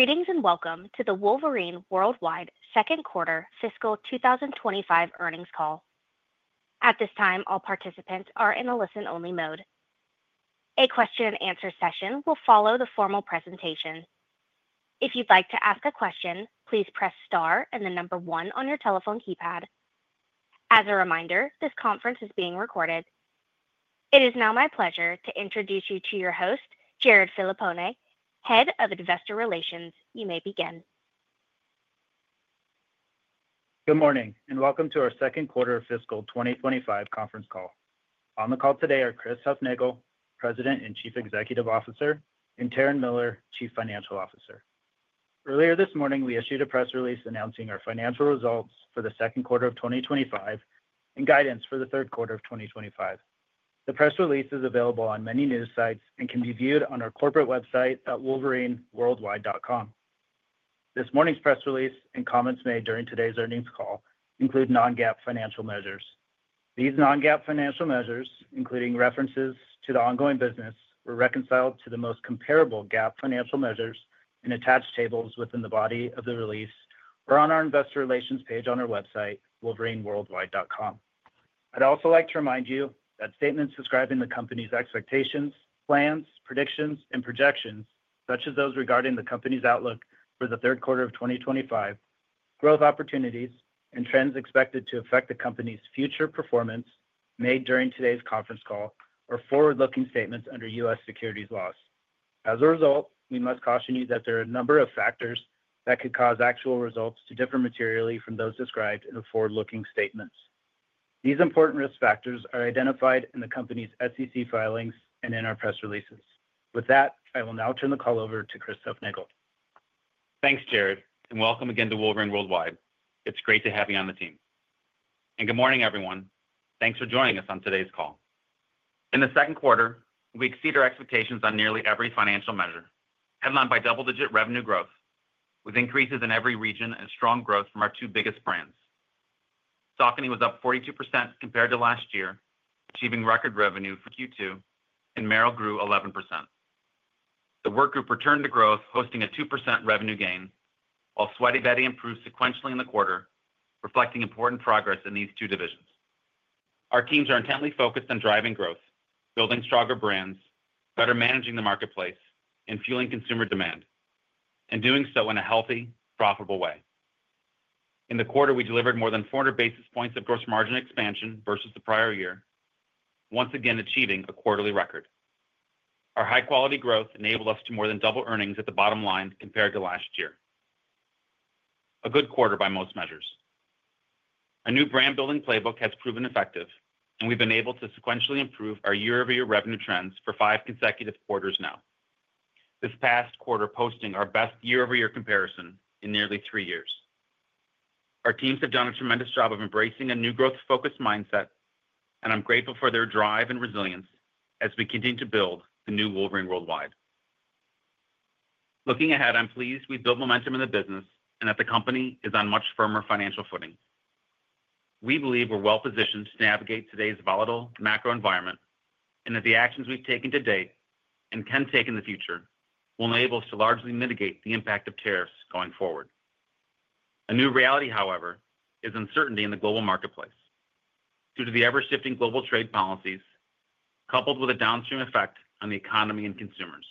Greetings and welcome to the Wolverine Worldwide Second Quarter Fiscal 2025 Earnings Call. At this time, all participants are in a listen-only mode. A question and answer session will follow the formal presentation. If you'd like to ask a question, please press star and the number one on your telephone keypad. As a reminder, this conference is being recorded. It is now my pleasure to introduce you to your host, Jared Filippone, Head of Investor Relations. You may begin. Good morning and welcome to our Second Quarter Fiscal 2025 Conference Call. On the call today are Christopher Hufnagel, President and Chief Executive Officer, and Taryn Miller, Chief Financial Officer. Earlier this morning we issued a press release announcing our financial results for the second quarter of 2025 and guidance for the third quarter of 2025. The press release is available on many news sites and can be viewed on our corporate website at wolverineworldwide.com. This morning's press release and comments made during today's earnings call include non-GAAP financial measures. These non-GAAP financial measures, including references to the ongoing business, were reconciled to the most comparable GAAP financial measures in attached tables within the body of the release or on our investor relations page on our website wolverineworldwide.com. I'd also like to remind you that statements describing the company's expectations, plans, predictions, and projections, such as those regarding the company's outlook for the third quarter of 2025, growth opportunities, and trends expected to affect the company's future performance, made during today's conference call are forward-looking statements under U.S. securities laws. As a result, we must caution you that there are a number of factors that could cause actual results to differ materially from those described in the forward-looking statements. These important risk factors are identified in the company's SEC filings and in our press releases. With that, I will now turn the call over to Christopher Hufnagel. Thanks, Jared, and welcome again to Wolverine Worldwide. It's great to have you on the team and good morning everyone. Thanks for joining us on today's call. In the second quarter we exceeded our expectations on nearly every financial measure, headlined by double-digit revenue growth with increases in every region and strong growth from our two biggest brands. Saucony was up 42% compared to last year, achieving record revenue for Q2, and Merrell grew 11%. The workgroup returned to growth, posting a 2% revenue gain, while Sweaty Betty improved sequentially in the quarter, reflecting important progress in these two divisions. Our teams are intently focused on driving growth, building stronger brands, better managing the marketplace, and fueling consumer demand and doing so in a healthy, profitable way. In the quarter we delivered more than 400 basis points of gross margin expansion versus the prior year, once again achieving a quarterly record. Our high quality growth enabled us to more than double earnings at the bottom line compared to last year. A good quarter by most measures, a new brand building playbook has proven effective and we've been able to sequentially improve our year-over-year revenue trends for five consecutive quarters now this past quarter, posting our best year-over-year comparison in nearly three years. Our teams have done a tremendous job of embracing a new growth focused mindset and I'm grateful for their drive and resilience as we continue to build the new Wolverine Worldwide. Looking ahead, I'm pleased we build momentum in the business and that the company is on much firmer financial footing. We believe we're well positioned to navigate today's volatile macro environment and that the actions we've taken to date and can take in the future will enable us to largely mitigate the impact of tariffs going forward. A new reality, however, is uncertainty in the global marketplace due to the ever shifting global trade policies coupled with a downstream effect on the economy and consumers.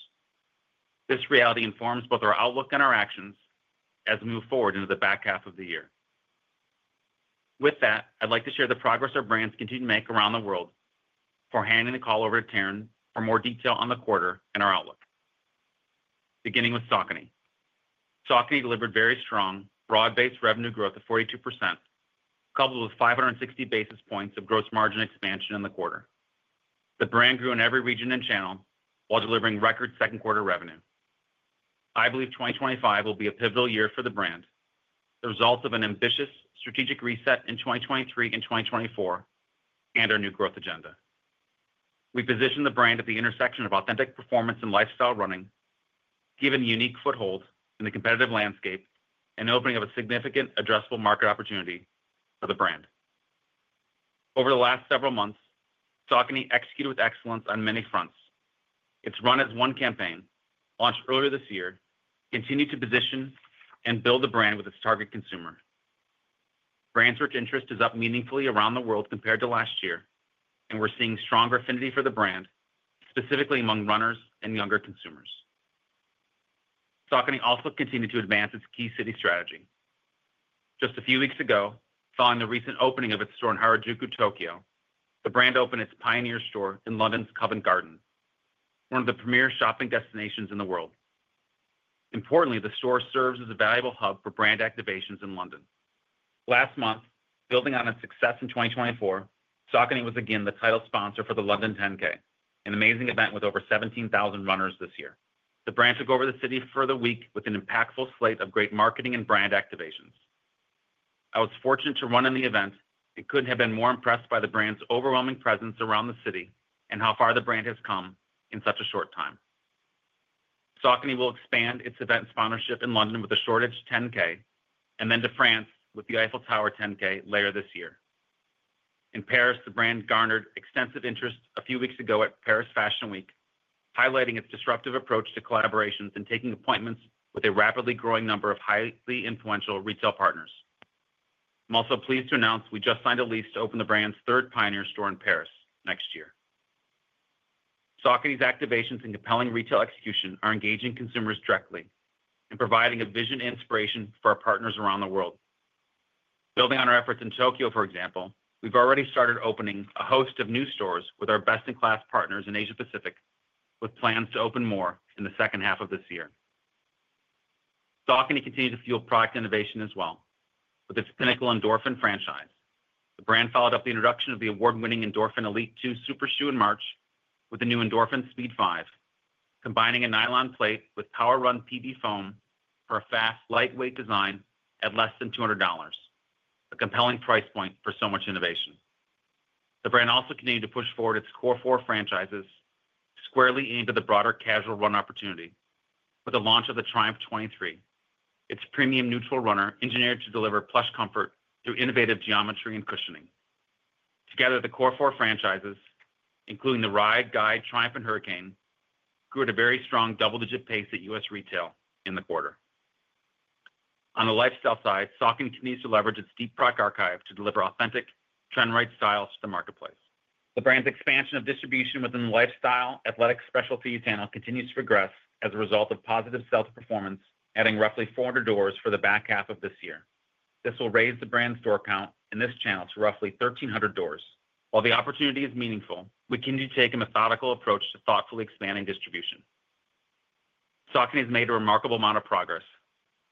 This reality informs both our outlook and our actions as we move forward into the back half of the year. With that, I'd like to share the progress our brands continue to make around the world before handing the call over to Taryn for more detail on the quarter and our outlook. Beginning with Saucony, Saucony delivered very strong broad based revenue growth of 42% coupled with 560 basis points of gross margin expansion in the quarter. The brand grew in every region and channel while delivering record second quarter revenue. I believe 2025 will be a pivotal year for the brand, the result of an ambitious strategic reset in 2023 and 2024 and our new growth agenda. We position the brand at the intersection of authentic performance and lifestyle running, giving a unique foothold in the competitive landscape and opening a significant addressable market opportunity for the brand. Over the last several months, Saucony executed with excellence on many fronts. Its Run as One campaign launched earlier this year, continued to position and build the brand with its target consumer. Brand search interest is up meaningfully around the world compared to last year and we're seeing stronger affinity for the brand, specifically among runners and younger consumers. Saucony also continued to advance its key City strategy. Just a few weeks ago, following the recent opening of its store in Harajuku, Tokyo, the brand opened its Pioneer Store in London's Covent Garden, one of the premier shopping destinations in the world. Importantly, the store serves as a valuable hub for brand activations in London. Last month, building on its success in 2024, Saucony was again the title sponsor for the London 10K, an amazing event with over 17,000 runners. This year, the brand took over the city for the week with an impactful slate of great marketing and brand activations. I was fortunate to run in the event and couldn't have been more impressed by the brand's overwhelming presence around the city and how far the brand has come in such a short time. Saucony will expand its event sponsorship in London with a Shoreditch 10K and then to France with the Eiffel Tower 10K later this year in Paris. The brand garnered extensive interest a few weeks ago at Paris Fashion Week, highlighting its disruptive approach to collaborations and taking appointments with a rapidly growing number of highly influential retail partners. I'm also pleased to announce we just signed a lease to open the brand's third Pioneer Store in Paris next year. Saucony's activations and compelling retail execution are engaging consumers directly and providing a vision and inspiration for our partners around the world. Building on our efforts in Tokyo, for example, we've already started opening a host of new stores with our best-in-class partners in Asia-Pacific, with plans to open more in the second half of this year. Saucony continues to fuel product innovation as well with its pinnacle Endorphin franchise. The brand followed up the introduction of the award-winning Endorphin Elite 2 super shoe in March with the new Endorphin Speed 5, combining a nylon plate with PWRRUN PB foam for a fast, lightweight design at less than $200, a compelling price point for so much innovation. The brand also continued to push forward its Core Four franchises squarely into the broader casual run opportunity with the launch of the Triumph 23, its premium neutral runner engineered to deliver plush comfort through innovative geometry and cushioning together. The Core Four franchises, including the Ride, Guide, Triumph, and Hurricane, grew at a very strong double-digit pace at U.S. retail in the quarter. On the lifestyle side, Saucony continues to leverage its deep product archive to deliver authentic trend right styles to the marketplace. The brand's expansion of distribution within lifestyle athletic specialty channel continues to progress as a result of positive sales performance, adding roughly 400 doors for the back half of this year. This will raise the brand's store count in this channel to roughly 1,300 doors. While the opportunity is meaningful, we can do take a methodical approach to thoughtfully expanding distribution. Saucony has made a remarkable amount of progress,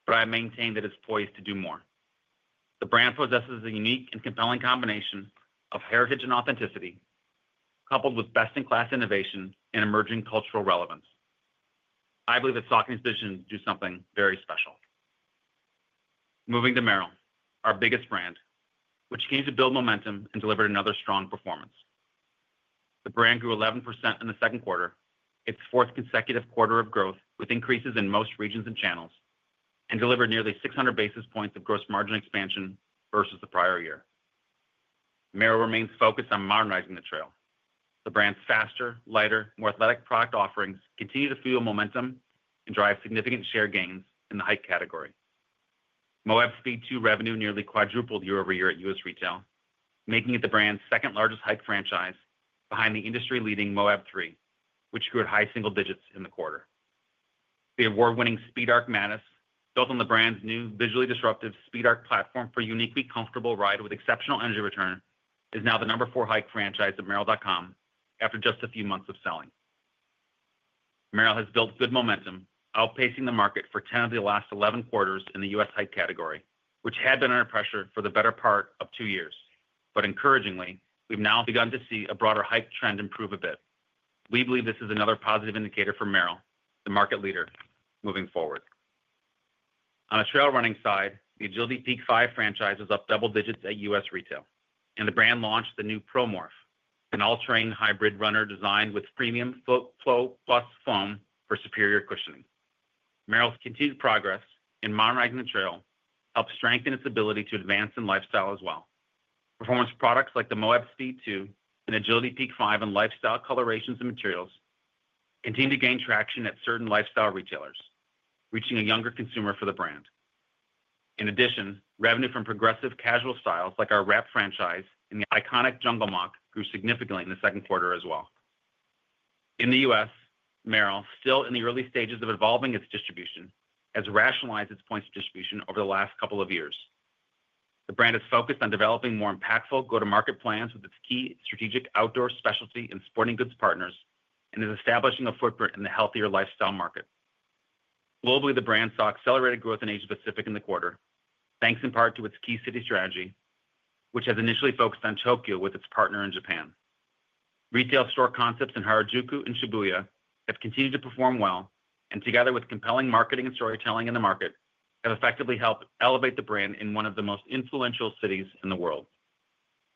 but I maintain that it's poised to do more. The brand possesses a unique and compelling combination of heritage and authenticity coupled with best in class innovation and emerging cultural relevance. I believe that Saucony's vision do something very special. Moving to Merrell, our biggest brand, which continued to build momentum and delivered another strong performance. The brand grew 11% in the second quarter, its fourth consecutive quarter of growth with increases in most regions and channels, and delivered nearly 600 basis points of gross margin expansion versus the prior year. Merrell remains focused on modernizing the trail. The brand's faster, lighter, more athletic product offerings continue to fuel momentum and drive significant share gains in the hike category. Moab Speed 2 revenue nearly quadrupled year-over-year at U.S. retail, making it the brand's second largest hike franchise behind the industry leading Moab 3, which grew at high single digits in the quarter. The award winning Speed Arc Matryx, built on the brand's new visually disruptive Speed Arc platform for uniquely comfortable ride with exceptional energy return, is now the number four hike franchise at merrell.com after just a few months of selling. Merrell has built good momentum, outpacing the market for 10 of the last 11 quarters in the U.S. hike category, which had been under pressure for the better part of two years. Encouragingly, we've now begun to see a broader hike trend improve a bit. We believe this is another positive indicator for Merrell, the market leader moving forward. On the trail running side, the Agility Peak 5 franchise is up double digits at U.S. retail and the brand launched the new Pro Morph, an all terrain hybrid runner designed with premium Flow Plus foam for superior cushioning. Merrell's continued progress in modernizing the trail helped strengthen its ability to advance in lifestyle as well as performance. Products like the Moab Speed 2 and Agility Peak 5 and lifestyle colorations and materials continue to gain traction at certain lifestyle retailers, reaching a younger consumer for the brand. In addition, revenue from progressive casual styles like our Wrapped franchise and the iconic Jungle MOC grew significantly in the second quarter as well. In the U.S., Merrell, still in the early stages of evolving its distribution, has rationalized its points of distribution over the last couple of years. The brand is focused on developing more impactful go-to-market plans with its key strategic outdoor, specialty, and sporting goods partners and is establishing a footprint in the healthier lifestyle market globally. The brand saw accelerated growth in Asia-Pacific in the quarter thanks in part to its Key City strategy, which has initially focused on Tokyo with its partner in Japan. Retail store concepts in Harajuku and Shibuya have continued to perform well, and together with compelling marketing and storytelling in the market, have effectively helped elevate the brand in one of the most influential cities in the world.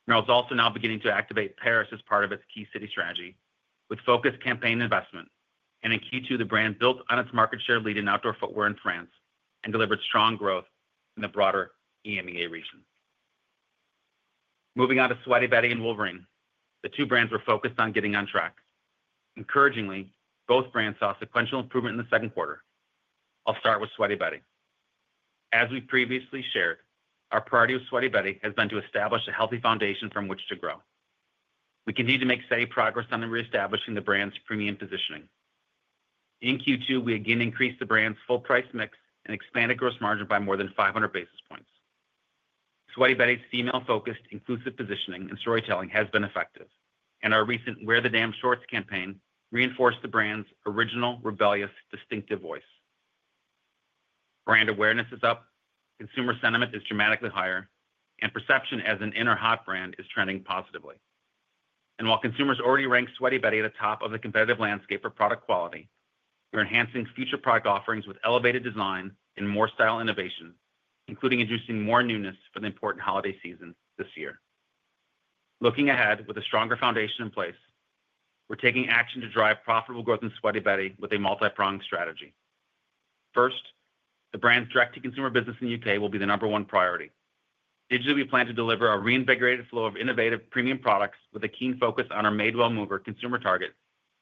Merrell is also now beginning to activate Paris as part of its Key City strategy with focused campaign investment, and in Q2, the brand built on its market share leading outdoor footwear in France and delivered strong growth in the broader EMEA region. Moving on to Sweaty Betty and Wolverine, the two brands were focused on getting on track. Encouragingly, both brands saw sequential improvement in the second quarter. I'll start with Sweaty Betty. As we previously shared, our priority with Sweaty Betty has been to establish a healthy foundation from which to grow. We continue to make steady progress on re-establishing the brand's premium positioning. In Q2, we again increased the brand's full-price mix and expanded gross margin by more than 500 basis points. Sweaty Betty's female-focused, inclusive positioning and storytelling has been effective, and our recent Wear the Damn Shorts campaign reinforced the brand's original rebellious, distinctive voice. Brand awareness is up, consumer sentiment is dramatically higher, and perception as an inner hot brand is trending positively. While consumers already ranked Sweaty Betty at the top of the competitive landscape for product quality, we're enhancing future product offerings with elevated design and more style innovation, including inducing more newness for the important holiday season this year. Looking ahead with a stronger foundation in place, we're taking action to drive profitable growth in Sweaty Betty with a multi-pronged strategy. First, the brand's direct-to-consumer business in the U.K. will be the number one priority digitally. We plan to deliver a reinvigorated flow of innovative premium products with a keen focus on our Madewell Mover consumer target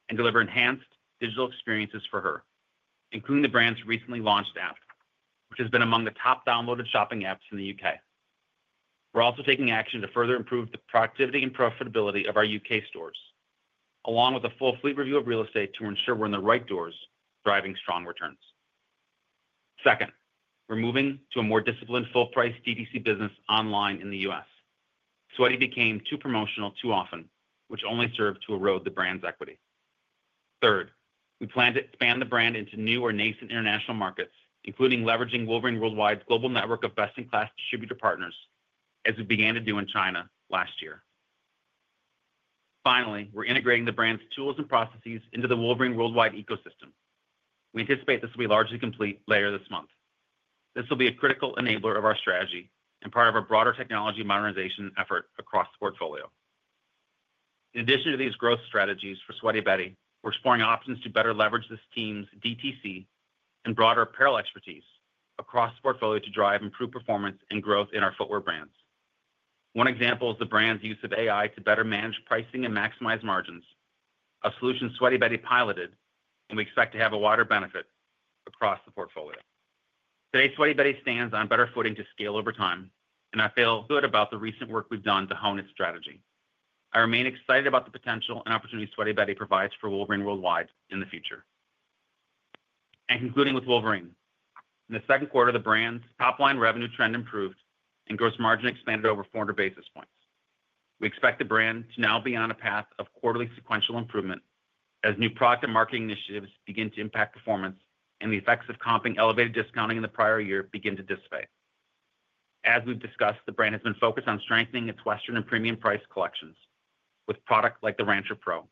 and deliver enhanced digital experiences for her, including the brand's recently launched app, which has been among the top downloaded shopping apps in the U.K. We're also taking action to further improve the productivity and profitability of our U.K. stores, along with a full fleet review of real estate to ensure we're in the right doors driving strong returns. Second, we're moving to a more disciplined full-price DTC business online in the U.S. Sweaty became too promotional too often, which only served to erode the brand's equity. Third, we plan to expand the brand into new or nascent international markets, including leveraging Wolverine Worldwide's global network of best-in-class distributor partners as we began to do in China last year. Finally, we're integrating the brand's tools and processes into the Wolverine Worldwide ecosystem. We anticipate this will be largely complete later this month. This will be a critical enabler of our strategy and part of our broader technology modernization effort across the portfolio. In addition to these growth strategies for Sweaty Betty, we're exploring options to better leverage this team's DTC and broader apparel expertise across the portfolio to drive improved performance and growth in our footwear brands. One example is the brand's use of AI to better manage pricing and maximize margins, a solution Sweaty Betty piloted and we expect to have a wider benefit across the portfolio. Today, Sweaty Betty stands on better footing to scale over time and I feel good about the recent work we've done to hone its strategy. I remain excited about the potential and opportunities Sweaty Betty provides for Wolverine Worldwide in the future. Concluding with Wolverine, in the second quarter, the brand's top-line revenue trend improved and gross margin expanded over 400 basis points. We expect the brand to now be on a path of quarterly sequential improvement as new product and marketing initiatives begin to impact performance and the effects of comping elevated discounting in the prior year begin to dissipate. As we've discussed, the brand has been focused on strengthening its Western and premium price collections with product like the Rancher Pro.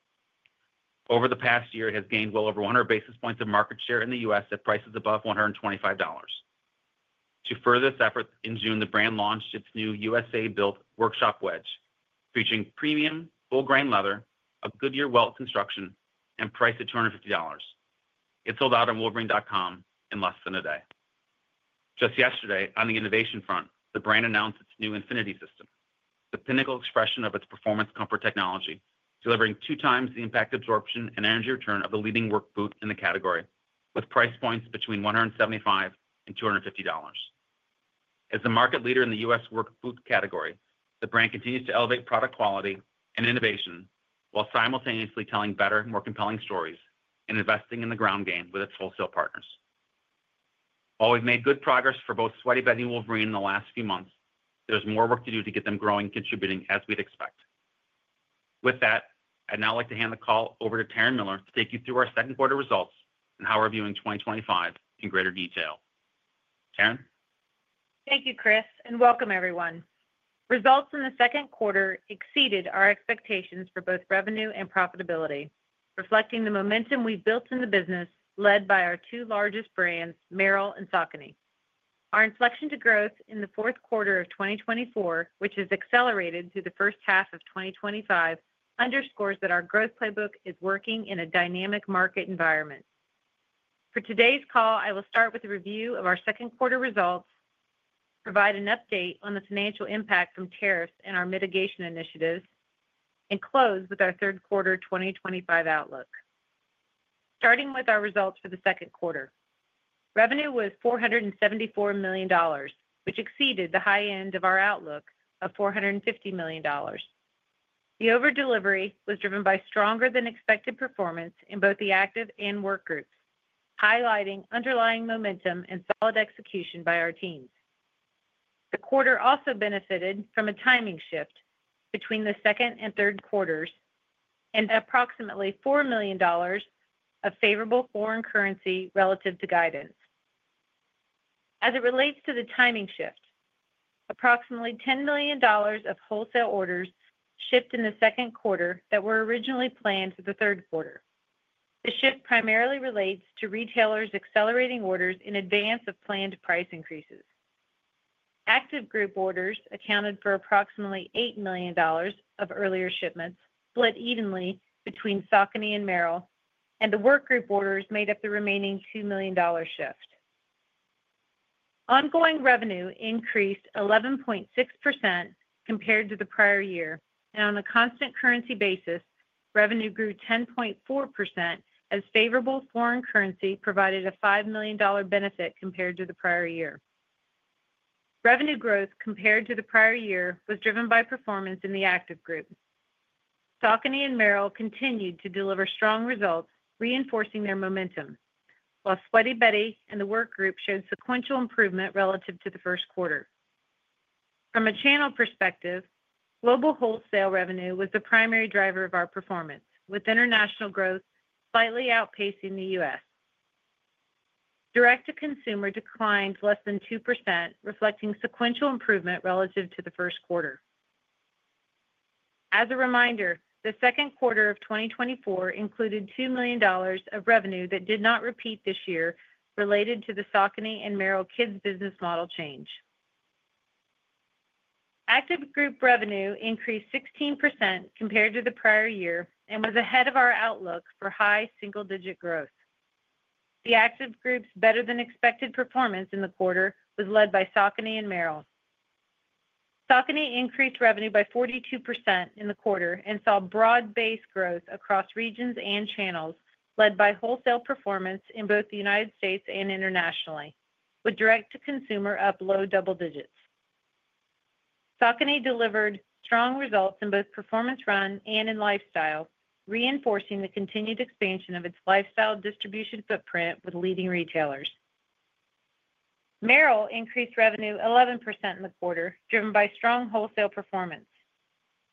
Over the past year, it has gained well over 100 basis points of market share in the U.S. at prices above $125. To further its effort, in June the brand launched its new USA Built Workshop wedge featuring premium full grain leather, a Goodyear welt construction, and priced at $250. It sold out on wolverine.com in less than a day. Just yesterday, on the innovation front, the brand announced its new Infinity system, the pinnacle expression of its performance comfort technology, delivering 2x the impact absorption and energy return of the leading work boot in the category with price points between $175 and $250. As the market leader in the U.S. work boot category, the brand continues to elevate product quality and innovation while simultaneously telling better, more compelling stories and investing in the ground game with its wholesale partners. While we've made good progress for both Sweaty Betty and Wolverine in the last few months, there's more work to do to get them growing, contributing as we'd expect. With that, I'd now like to hand the call over to Taryn Miller to take you through our second quarter results and how we're viewing 2025 in greater detail. Taryn, thank you, Chris, and welcome everyone. Results in the second quarter exceeded our expectations for both revenue and profitability, reflecting the momentum we've built in the business led by our two largest brands, Merrell and Saucony. Our inflection to growth in the fourth quarter of 2024, which has accelerated through the first half of 2025, underscores that our growth playbook is working in a dynamic market environment. For today's call, I will start with a review of our second quarter results, provide an update on the financial impact from tariffs and our mitigation initiatives, and close with our third quarter 2025 outlook. Starting with our results for the second quarter, revenue was $474 million, which exceeded the high end of our outlook of $450 million. The over delivery was driven by stronger than expected performance in both the Active and Work group, highlighting underlying momentum and solid execution by our teams. The quarter also benefited from a timing shift between the second and third quarters and approximately $4 million of favorable foreign currency relative to guidance. As it relates to the timing shift, approximately $10 million of wholesale orders shipped in the second quarter that were originally planned for the third quarter. The shift primarily relates to retailers accelerating orders in advance of planned price increases. Active Group orders accounted for approximately $8 million of earlier shipments, split evenly between Saucony and Merrell, and the Work group orders made up the remaining $2 million shift. Ongoing revenue increased 11.6% compared to the prior year, and on a constant currency basis, revenue grew 10.4% as favorable foreign currency provided a $5 million benefit compared to the prior year. Revenue growth compared to the prior year was driven by performance in the Active group. Saucony and Merrell continued to deliver strong results, reinforcing their momentum, while Sweaty Betty and the Work group showed sequential improvement relative to the first quarter. From a channel perspective, global wholesale revenue was the primary driver of our performance, with international growth slightly outpacing the U.S. Direct to consumer declined less than 2%, reflecting sequential improvement relative to the first quarter. As a reminder, the second quarter of 2024 included $2 million of revenue that did not repeat this year. Related to the Saucony and Merrell Kids business model change, Active Group revenue increased 16% compared to the prior year and was ahead of our outlook for high single digit growth. The Active Group's better than expected performance in the quarter was led by Saucony and Merrell. Saucony increased revenue by 42% in the quarter and saw broad-based growth across regions and channels led by wholesale performance in both the U.S. and internationally, with direct to consumer up low double digits. Saucony delivered strong results in both performance run and in lifestyle, reinforcing the continued expansion of its lifestyle distribution footprint with leading retailers. Merrell increased revenue 11% in the quarter, driven by strong wholesale performance.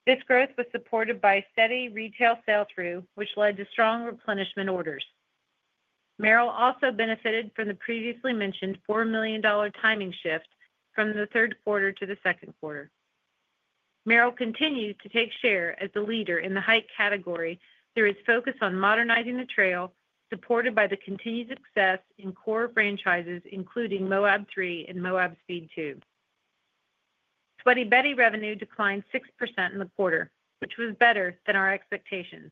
This growth was supported by steady retail sell-through, which led to strong replenishment orders. Merrell also benefited from the previously mentioned $4 million timing shift from the third quarter to the second quarter. Merrell continued to take share as the leader in the hike category through its focus on modernizing the trail, supported by the continued success in core franchises including Moab 3 and Moab Speed 2. Sweaty Betty revenue declined 6% in the quarter, which was better than our expectations.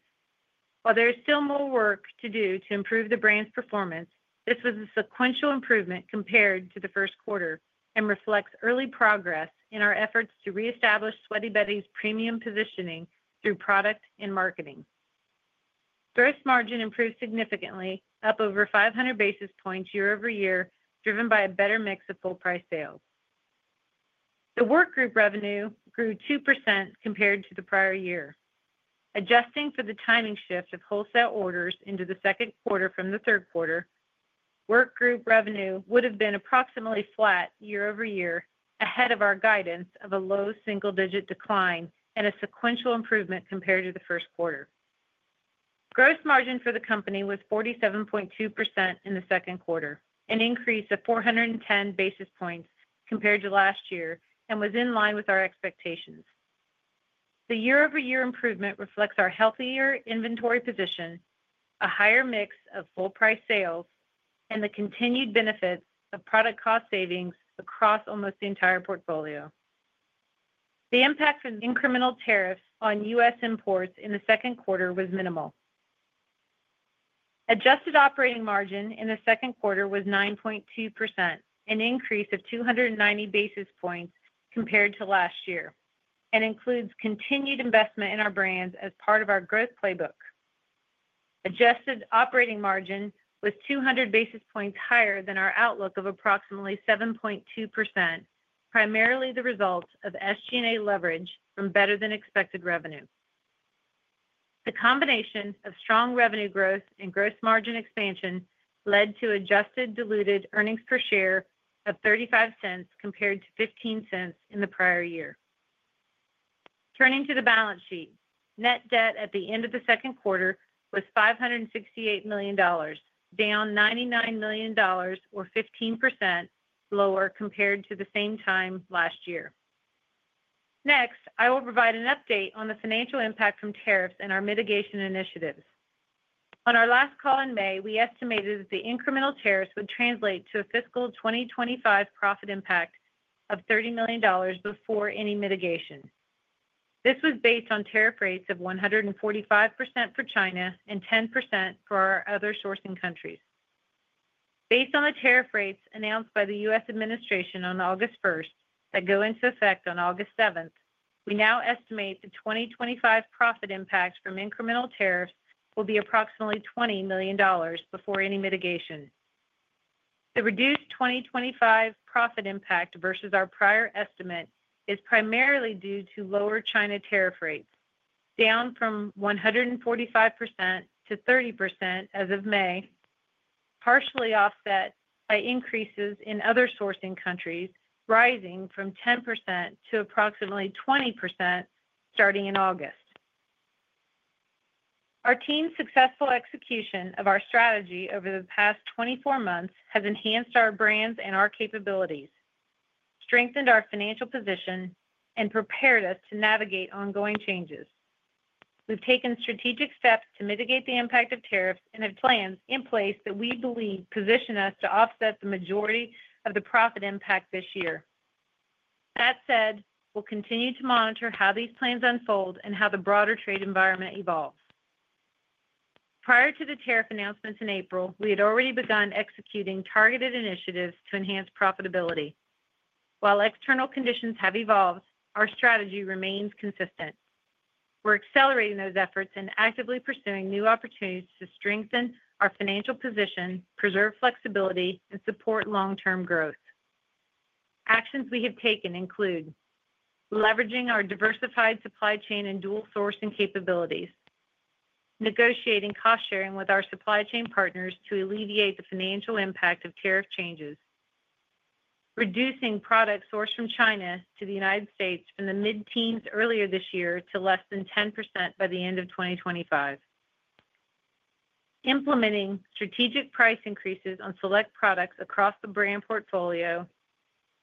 While there is still more work to do to improve the brand's performance, this was a sequential improvement compared to the first quarter and reflects early progress in our efforts to re-establish Sweaty Betty's premium positioning through product and marketing. Gross margin improved significantly, up over 500 basis points year-over-year, driven by a better mix of full-price sales. The Work Group revenue grew 2% compared to the prior year. Adjusting for the timing shift of wholesale orders into the second quarter from the third quarter, Work Group revenue would have been approximately flat year-over-year, ahead of our guidance of a low single digit decline and a sequential improvement compared to the first quarter. Gross margin for the company was 47.2% in the second quarter, an increase of 410 basis points compared to last year and was in line with our expectations. The year-over-year improvement reflects our healthier inventory position, a higher mix of full-price sales, and the continued benefits of product cost savings across almost the entire portfolio. The impact from incremental tariffs on U.S. imports in the second quarter was minimal. Adjusted operating margin in the second quarter was 9.2%, an increase of 290 basis points compared to last year and includes continued investment in our brands as part of our growth playbook. Adjusted operating margin was 200 basis points higher than our outlook of approximately 7.2%, primarily the result of SG&A leverage from better than expected revenue. The combination of strong revenue growth and gross margin expansion led to adjusted diluted earnings per share of $0.35 compared to $0.15 in the prior year. Turning to the balance sheet, net debt at the end of the second quarter was $568 million, down $99 million or 15% lower compared to the same time last year. Next I will provide an update on the financial impact from tariffs and our mitigation initiatives. On our last call in May, we estimated that the incremental tariffs would translate to a fiscal 2025 profit impact of $30 million before any mitigation. This was based on tariff rates of 145% for China and 10% for our other sourcing countries. Based on the tariff rates announced by the U.S. administration on August 1 that go into effect on August 7, we now estimate the 2025 profit impact from incremental tariffs will be approximately $20 million before any mitigation. The reduced 2025 profit impact versus our prior estimate is primarily due to lower China tariff rates, down from 145% to 30% as of May, partially offset by increases in other sourcing countries rising from 10% to approximately 20% starting in August. Our team's successful execution of our strategy over the past 24 months has enhanced our brands and our capabilities, strengthened our financial position and prepared us to navigate ongoing changes. We've taken strategic steps to mitigate the impact of tariffs and have plans in place that we believe position us to offset the majority of the profit impact this year. That said, we'll continue to monitor how these plans unfold and how the broader trade environment evolves. Prior to the tariff announcements in April, we had already begun executing targeted initiatives to enhance profitability. While external conditions have evolved, our strategy remains consistent. We're accelerating those efforts and actively pursuing new opportunities to strengthen our financial position, preserve flexibility and support long term growth. Actions we have taken include leveraging our diversified supply chain and dual sourcing capabilities, negotiating cost sharing with our supply chain partners to alleviate the financial impact of tariff changes, reducing products sourced from China to the U.S. from the mid-teens earlier this year to less than 10% by the end of 2025, implementing strategic price increases on select products across the brand portfolio,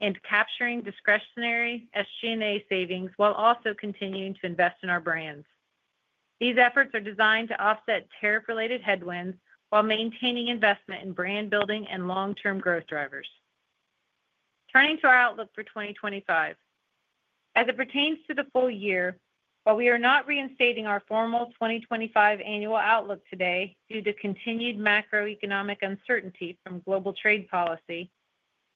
and capturing discretionary SG&A savings while also continuing to invest in our brands. These efforts are designed to offset tariff-related headwinds while maintaining investment in brand building and long-term growth drivers. Turning to our outlook for 2025 as it pertains to the full year, while we are not reinstating our formal 2025 annual outlook today due to continued macroeconomic uncertainty from global trade policy,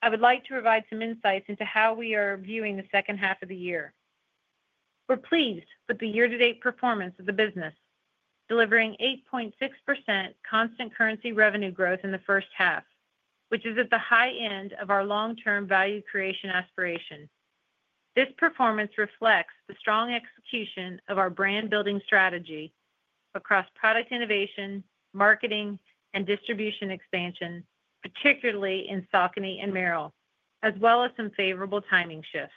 I would like to provide some insights into how we are viewing the second half of the year. We're pleased with the year-to-date performance of the business, delivering 8.6% constant currency revenue growth in the first half, which is at the high end of our long-term value creation aspiration. This performance reflects the strong execution of our brand building strategy across product innovation, marketing, and distribution expansion, particularly in Saucony and Merrell, as well as some favorable timing shifts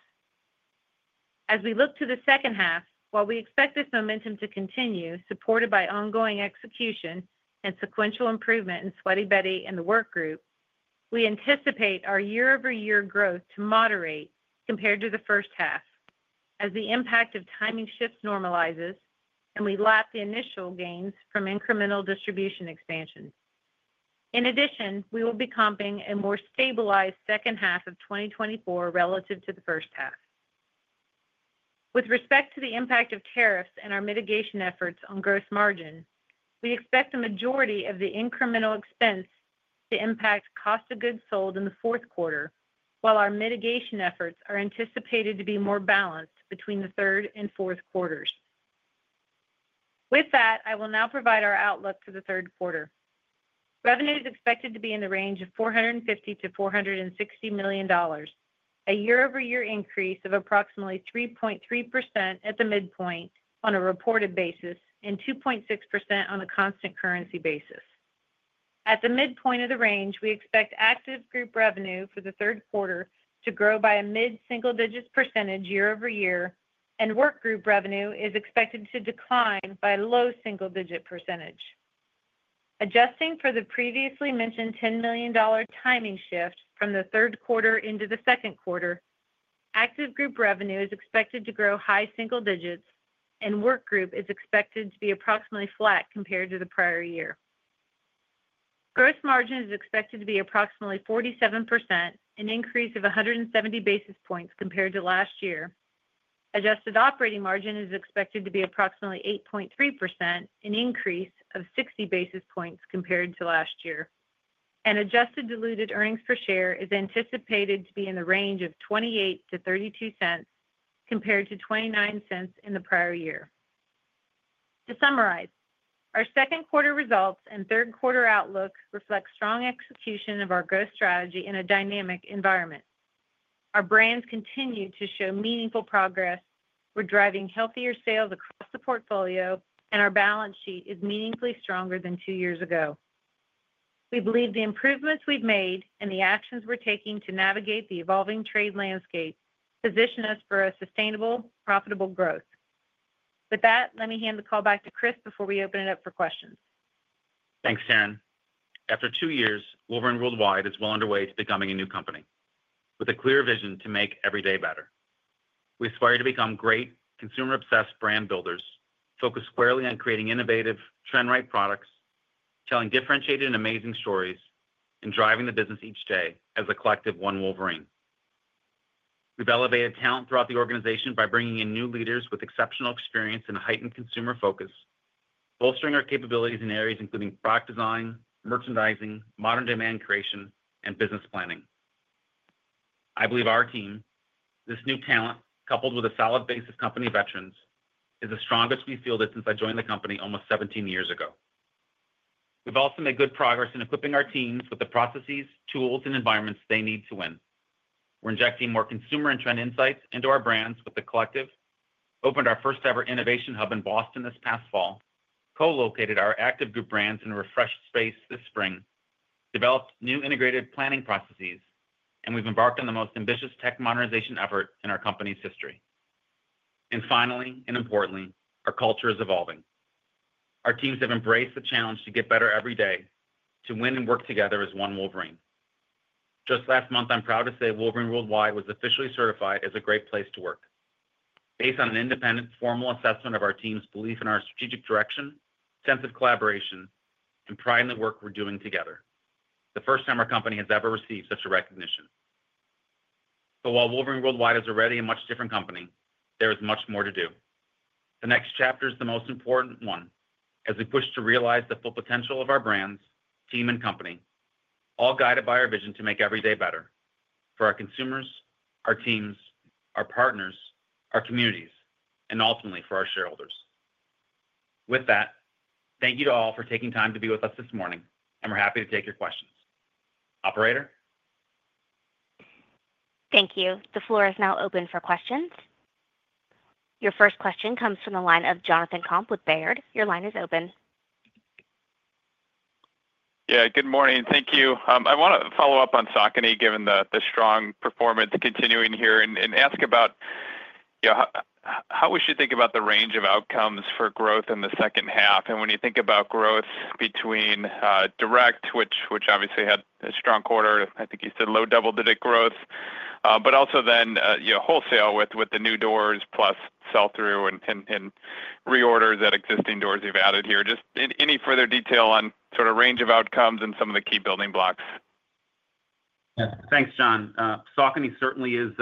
as we look to the second half. While we expect this momentum to continue, supported by ongoing execution and sequential improvement in Sweaty Betty and the work group, we anticipate our year-over-year growth to moderate compared to the first half as the impact of timing shifts normalizes and we lap the initial gains from incremental distribution expansion. In addition, we will be comping a more stabilized second half of 2024 relative to the first half with respect to the impact of tariffs and our mitigation efforts. On gross margin, we expect a majority of the incremental expense to impact cost of goods sold in the fourth quarter, while our mitigation efforts are anticipated to be more balanced between the third and fourth quarters. With that, I will now provide our outlook for the third quarter. Revenue is expected to be in the range of $450 million-$460 million, a year-over-year increase of approximately 3.3% at the midpoint on a reported basis and 2.6% on a constant currency basis at the midpoint of the range. We expect active group revenue for the third quarter to grow by a mid single digits percentage year-over-year, and workgroup revenue is expected to decline by low single digit percentage. Adjusting for the previously mentioned $10 million timing shift from the third quarter into the second quarter, active group revenue is expected to grow high single digits and workgroup is expected to be approximately flat compared to the prior year. Gross margin is expected to be approximately 47%, an increase of 170 basis points compared to last year. Adjusted operating margin is expected to be approximately 8.3%, an increase of 60 basis points compared to last year, and adjusted diluted earnings per share is anticipated to be in the range of $0.28-$0.32 compared to $0.29 in the prior year. To summarize, our second quarter results and third quarter outlook reflect strong execution of our growth strategy in a dynamic environment. Our brands continue to show meaningful progress, we're driving healthier sales across the portfolio, and our balance sheet is meaningfully stronger than two years ago. We believe the improvements we've made and the actions we're taking to navigate the evolving trade landscape position us for a sustainable, profitable growth. With that, let me hand the call back to Chris before we open it up for questions. Thanks, Taryn. After two years, Wolverine Worldwide is well underway to becoming a new company with a clear vision to make every day better. We aspire to become great consumer-obsessed brand builders focused squarely on creating innovative, trend-right products, telling differentiated and amazing stories, and driving the business each day as a collective one Wolverine. We've elevated talent throughout the organization by bringing in new leaders with exceptional experience and heightened consumer focus, bolstering our capabilities in areas including product design, merchandising, modern demand creation, and business planning. I believe our team, this new talent coupled with a solid base of company veterans, is the strongest we feel that since I joined the company almost 17 years ago. We've also made good progress in equipping our teams with the processes, tools, and environments they need to win. We're injecting more consumer and trend insights into our brands with the collective, opened our first ever innovation hub in Boston this past fall, co-located our active group brands in a refreshed space this spring, developed new integrated planning processes, and we've embarked on the most ambitious tech modernization effort in our company's history. Finally and importantly, our culture is evolving. Our teams have embraced the challenge to get better every day to win and work together as one Wolverine. Just last month, I'm proud to say, Wolverine Worldwide was officially certified as a great place to work based on an independent formal assessment of our team's belief in our strategic direction, sense of collaboration, and pride in the work we're doing together. This is the first time our company has ever received such a recognition. While Wolverine Worldwide is already a much different company, there is much more to do. The next chapter is the most important one as we push to realize the full potential of our brands, team, and company, all guided by our vision to make every day better for our consumers, our teams, our partners, our communities, and ultimately for our shareholders. With that, thank you to all for taking time to be with us this morning and we're happy to take your questions. Operator. Thank you. The floor is now open for questions. Your first question comes from the line of Jonathan Komp with Baird. Your line is open. Good morning. Thank you. I want to follow up on Saucony, given the strong performance continuing here and ask about how we should think about the range of outcomes for growth in the second half. When you think about growth between direct, which obviously had a strong quarter, I think you said low double-digit growth, but also then wholesale with the new doors, plus sell-through and reorders at existing doors, you've added here just any further detail on sort of range of outcomes and some of the key building blocks. Thanks, John. Saucony certainly is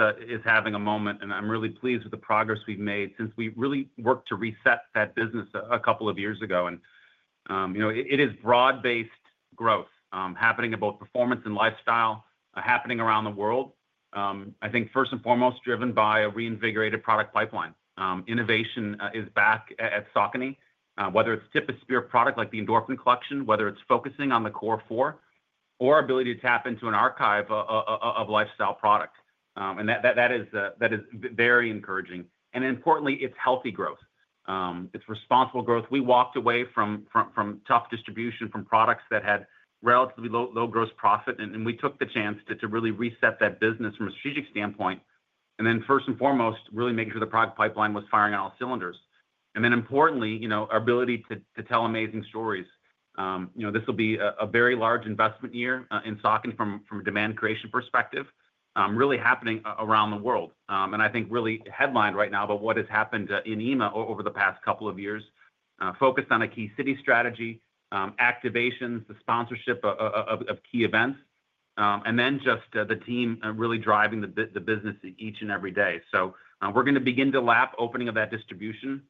having a moment and I'm really pleased with the progress we've made since we really worked to reset that business a couple of years ago. It is broad-based growth happening in both performance and lifestyle happening around the world. I think first and foremost driven by a reinvigorated product pipeline, innovation is back at Saucony. Whether it's tip of spirit product like the Endorphin collection, whether it's focusing on the Core Four, whether it's our ability to tap into an archive of lifestyle product, that is very encouraging. Importantly, it's healthy growth, it's responsible growth. We walked away from tough distribution from products that had relatively low gross profit and we took the chance to really reset that business from a strategic standpoint and then first and foremost, really making sure the product pipeline was firing on all cylinders. Importantly, our ability to tell amazing stories. This will be a very large investment year in Saucony from a demand creation perspective, really happening around the world and I think really headlined right now by what has happened in EMEA over the past couple of years focused on a key city strategy activation, the sponsorship of key events and the team really driving the business each and every day. We are going to begin to lap opening of that distribution.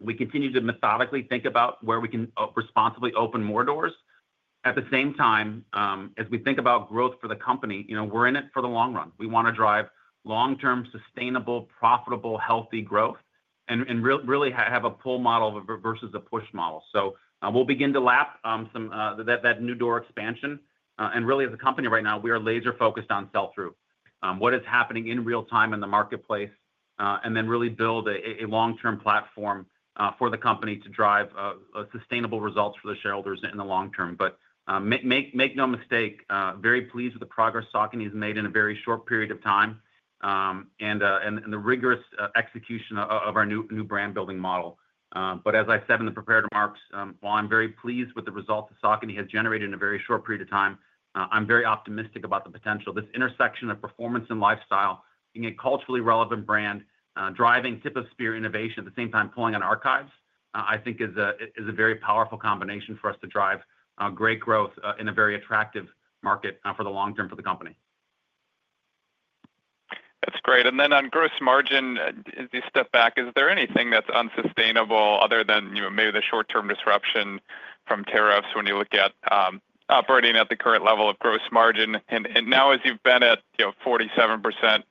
We continue to methodically think about where we can responsibly open more doors. At the same time, as we think about growth for the company, we're in it for the long run. We want to drive long-term, sustainable, profitable, healthy growth and really have a pull model versus a push model. We will begin to lap some of that new door expansion. As a company right now, we are laser focused on sell through, what is happening in real time in the marketplace, and then really building a long term platform for the company to drive sustainable results for the shareholders in the long term. Make no mistake, very pleased with the progress Saucony has made in a very short period of time and the rigorous execution of our new brand building model. As I said in the prepared remarks, while I'm very pleased with the results that Saucony has generated in a very short period of time, I'm very optimistic about the potential this intersection of performance and lifestyle, being a culturally relevant brand driving tip of spear innovation. At the same time, pulling on archives, I think is a very powerful combination for us to drive great growth in a very attractive market for the long term for the company, that's great. On gross margin, as you step back, is there anything that's unsustainable other than maybe the short term disruption from tariffs? When you look at operating at the current level of gross margin and now as you've been at 47%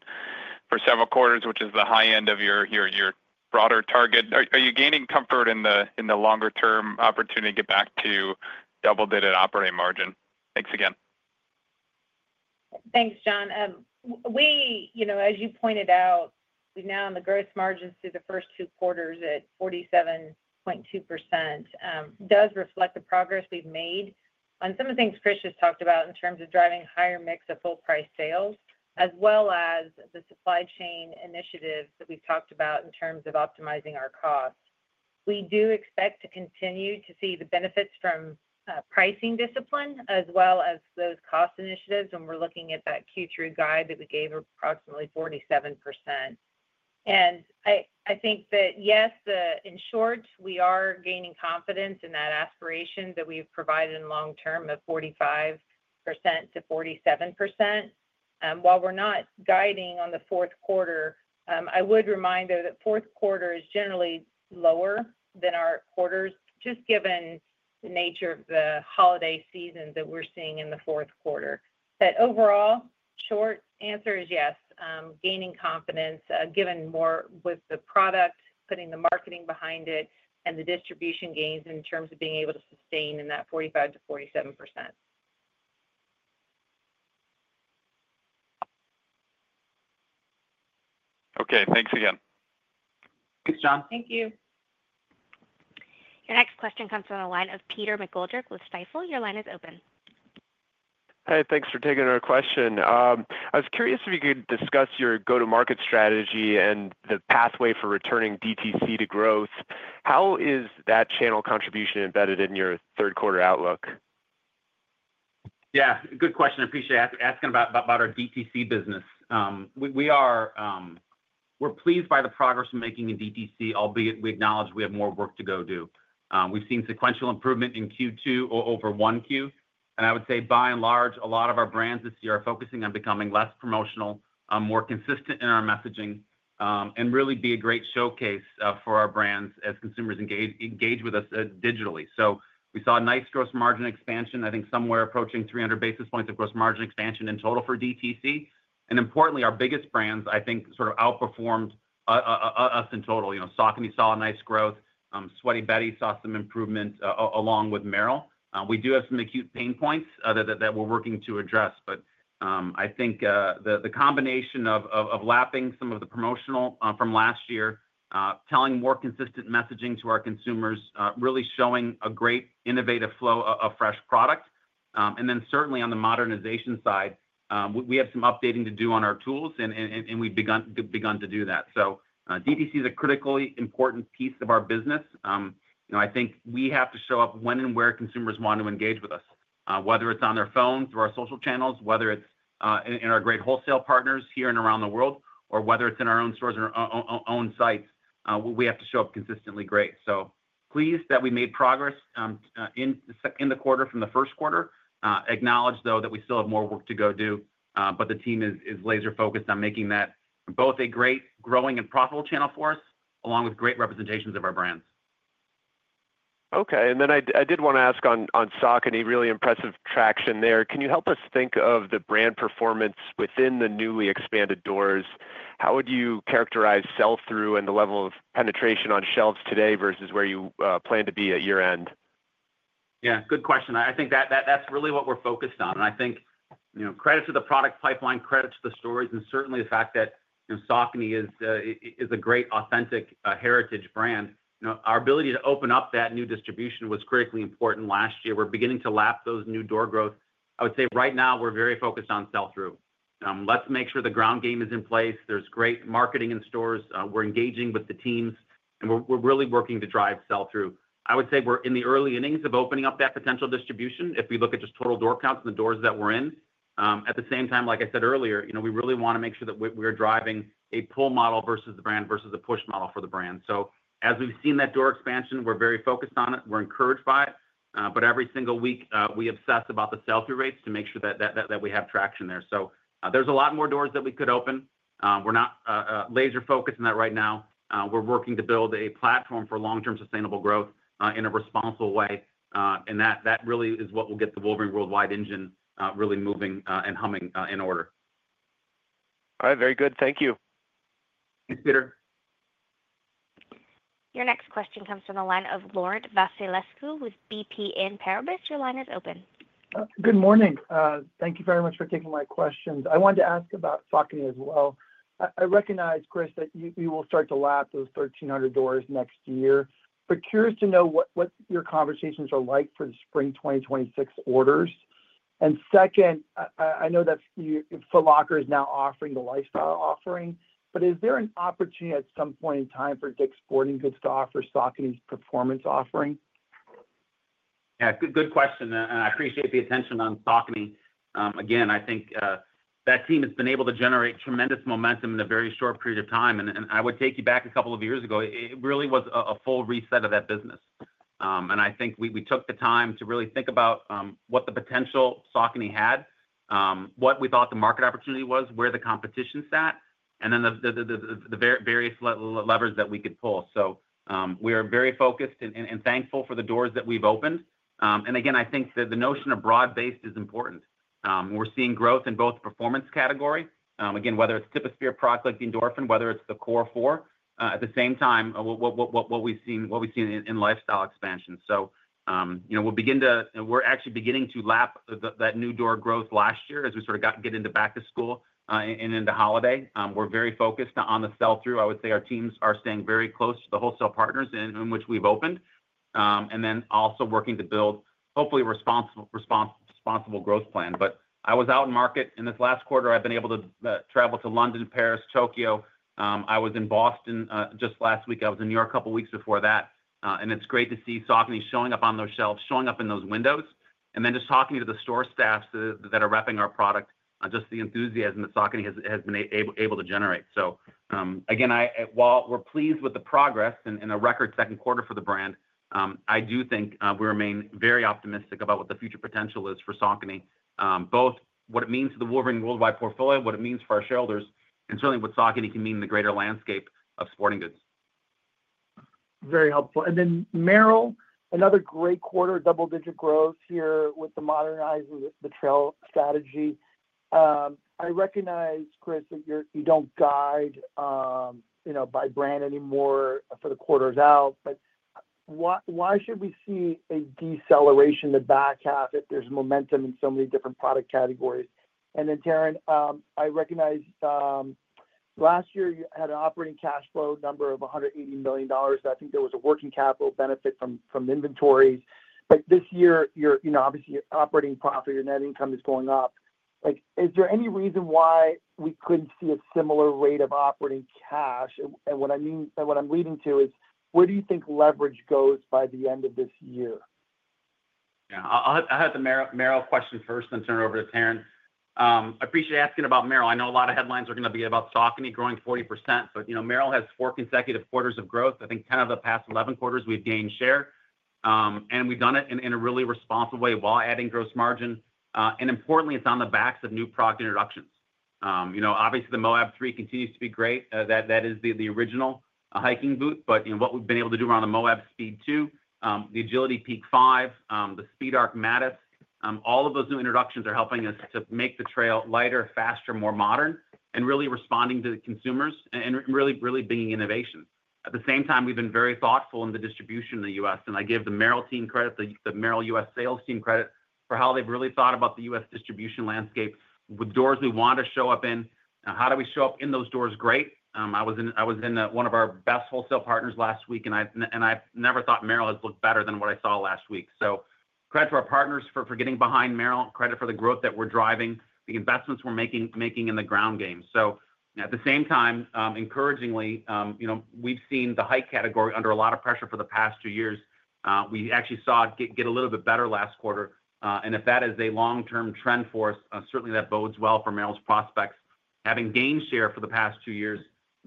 for several quarters, which is the high end of your broader target, are you gaining comfort in the longer term opportunity to get back to double digit operating margin? Thanks again. Thanks, John. As you pointed out, the gross margins through the first two quarters at 47.2% reflect the progress we've made on some of the things Chris has talked about in terms of driving a higher mix of full-price sales as well as the supply chain initiatives that we've talked about in terms of optimizing our costs. We do expect to continue to see the benefits from pricing discipline as well as those cost initiatives. We're looking at that Q3 guide that we gave, approximately 47%. I think that yes, in short, we are gaining confidence in that aspiration that we've provided in the long term of 45%-47%. While we're not guiding on the fourth quarter, I would remind, though, that the fourth quarter is generally lower than our other quarters just given the nature of the holiday season that we're seeing in the fourth quarter. Overall, short answer is yes, gaining confidence given more with the product, putting the marketing behind it, and the distribution gains in terms of being able to stay in that 45%-47%. Okay, thanks again. Thanks John. Thank you. Your next question comes from the line of Peter McGoldrick with Stifel. Your line is open. Hi, thanks for taking our question. I was curious if you could discuss your go to market strategy and the pathway for returning DTC to growth. How is that channel contribution embedded in your third quarter outlook? Good question. Appreciate asking about our DTC business. We are pleased by the progress we're making in DTC, albeit we acknowledge we have more work to go do. We've seen sequential improvement in Q2 over Q1 and I would say by and large a lot of our brands this year are focusing on becoming less promotional, more consistent in our messaging and really be a great showcase for our brands as consumers engage with us digitally. We saw a nice gross margin expansion, I think somewhere approaching 300 basis points of gross margin expansion in total for DTC. Importantly, our biggest brands I think sort of outperformed us in total. Saucony saw a nice growth. Sweaty Betty saw some improvement along with Merrell. We do have some acute pain points that we're working to address. I think the combination of lapping some of the promotional from last year, telling more consistent messaging to our consumers, really showing a great innovative flow of fresh product. Certainly on the modernization side we have some updating to do on our tools and we've begun to do that. DTC is a critically important piece of our business. I think we have to show up when and where consumers want to engage with us, whether it's on their phone, through our social channels, whether it's in our great wholesale partners here and around the world, or whether it's in our own stores or own sites, we have to show up consistently. Pleased that we made progress in the quarter from the first quarter. Acknowledge, though, that we still have more work to go do, but the team is laser focused on making that both a great growing and profitable channel for us, along with great representations of our brands. Okay, and then I did want to ask on Saucony. Really impressive traction there. Can you help us think of the brand performance within the newly expanded doors? How would you characterize sell through and the level of penetration on shelves today versus where you plan to be at year end? Good question. I think that that's really what we're focused on and I think, you know, credit to the product pipeline, credit to the stories, and certainly the fact that Saucony is a great, authentic heritage brand. Our ability to open up that new distribution was critically important last year. We're beginning to lap those new door growth. I would say right now we're very focused on sell through. Let's make sure the ground game is in place. There's great marketing in stores. We're engaging with the teams, and we're really working to drive sell through. I would say we're in the early innings of opening up that potential distribution. If we look at just total door counts and the doors that we're in at the same time, like I said earlier, you know, we really want to make sure that we're driving a pull model versus the brand versus the push model for the brand. As we've seen that door expansion, we're very focused on it, we're encouraged by it. Every single week we obsess about the sell through rates to make sure that we have traction there. There's a lot more doors that we could open. We're not laser focused on that right now. We're working to build a platform for long term sustainable growth in a responsible way. That really is what will get the Wolverine Worldwide engine really moving and humming in order. All right, very good. Thank you. Peter. Your next question comes from the line of Laurent Vasilescu with BNP Paribas. Your line is open. Good morning. Thank you very much for taking my questions. I wanted to ask about Saucony as well. I recognize, Chris, that you will start to lap those 1,300 doors next year. Curious to know what your conversations are like for the spring 2026 orders. I know that Foot Locker is now offering the lifestyle offering, but is there an opportunity at some point in time for Dick's Sporting Goods to offer Saucony's performance offering? Good question. I appreciate the attention on Saucony. Again, I think that team has been able to generate tremendous momentum in a very short period of time. I would take you back a couple of years ago, it really was a full reset of that business. I think we took the time to really think about what the potential Saucony had, what we thought the market opportunity was, where the competition sat, and then the various levers that we could pull. We are very focused and thankful for the doors that we've opened. I think that the notion of broad based is important. We're seeing growth in both performance category, whether it's performance product like Endorphin, whether it's the Core Four, at the same time, what we've seen in lifestyle expansion. We'll begin to, we're actually beginning to lap that new door growth. Last year as we got into back to school and into holiday, we're very focused on the sell through. I would say our teams are staying very close to the wholesale partners in which we've opened and also working to build hopefully responsible growth plan. I was out in market in this last quarter. I've been able to travel to London, Paris, Tokyo. I was in Boston just last week. I was in New York a couple weeks before that. It's great to see Saucony showing up on those shelves, showing up in those windows, and just talking to the store staffs that are repping our product. The enthusiasm that Saucony has been able to generate. While we're pleased with the progress and a record second quarter for the brand, I do think we remain very optimistic about what the future potential is for Saucony, both what it means to the Wolverine Worldwide portfolio, what it means for our shareholders, and certainly what Saucony can mean in the greater landscape of sporting goods. Very helpful. Then Merrell, another great quarter, double digit growth here with the modernizing the trail strategy. I recognize, Chris, you don't guide, you know, by brand anymore for the quarters out. Why should we see a deceleration in the back half if there's momentum in so many different product categories? Taryn, I recognize last year you had an operating cash flow number of $180 million. I think there was a working capital benefit from inventory. This year, you know, obviously your operating profit, your net income is going up. Is there any reason why we couldn't see a similar rate of operating cash? What I'm leading to is where do you think leverage goes by the end of this year? Yeah, I had the Merrell question first, then turn it over to Taryn. I appreciate asking about Merrell. I know a lot of headlines are going to be about Saucony growing 40%. Merrell has four consecutive quarters of growth. I think kind of the past 11 quarters, we've gained share and we've done it in a really responsive way while adding gross margin. Importantly, it's on the backs of new product introductions. Obviously the Moab 3 continues to be great. That is the original hiking boot. What we've been able to do around the Moab Speed 2, the Agility Peak 5, the Speed Arc Matryx, all of those new introductions are helping us to make the trail lighter, faster, more modern, and really responding to the consumers and really, really being innovation at the same time. We've been very thoughtful in the distribution in the U.S. I give the Merrell team credit, the Merrell U.S. Sales team credit for how they've really thought about the U.S. distribution landscape with doors we want to show up in. How do we show up in those doors? Great. I was in one of our best wholesale partners last week and I never thought Merrell has looked better than what I saw last week. Credit to our partners for getting behind Merrell, credit for the growth that we're driving, the investments we're making in the ground game. At the same time, encouragingly, we've seen the hike category under a lot of pressure for the past two years. We actually saw it get a little bit better last quarter. If that is a long term trend for us, certainly that bodes well for Merrell's prospects. Having gained share for the past two years,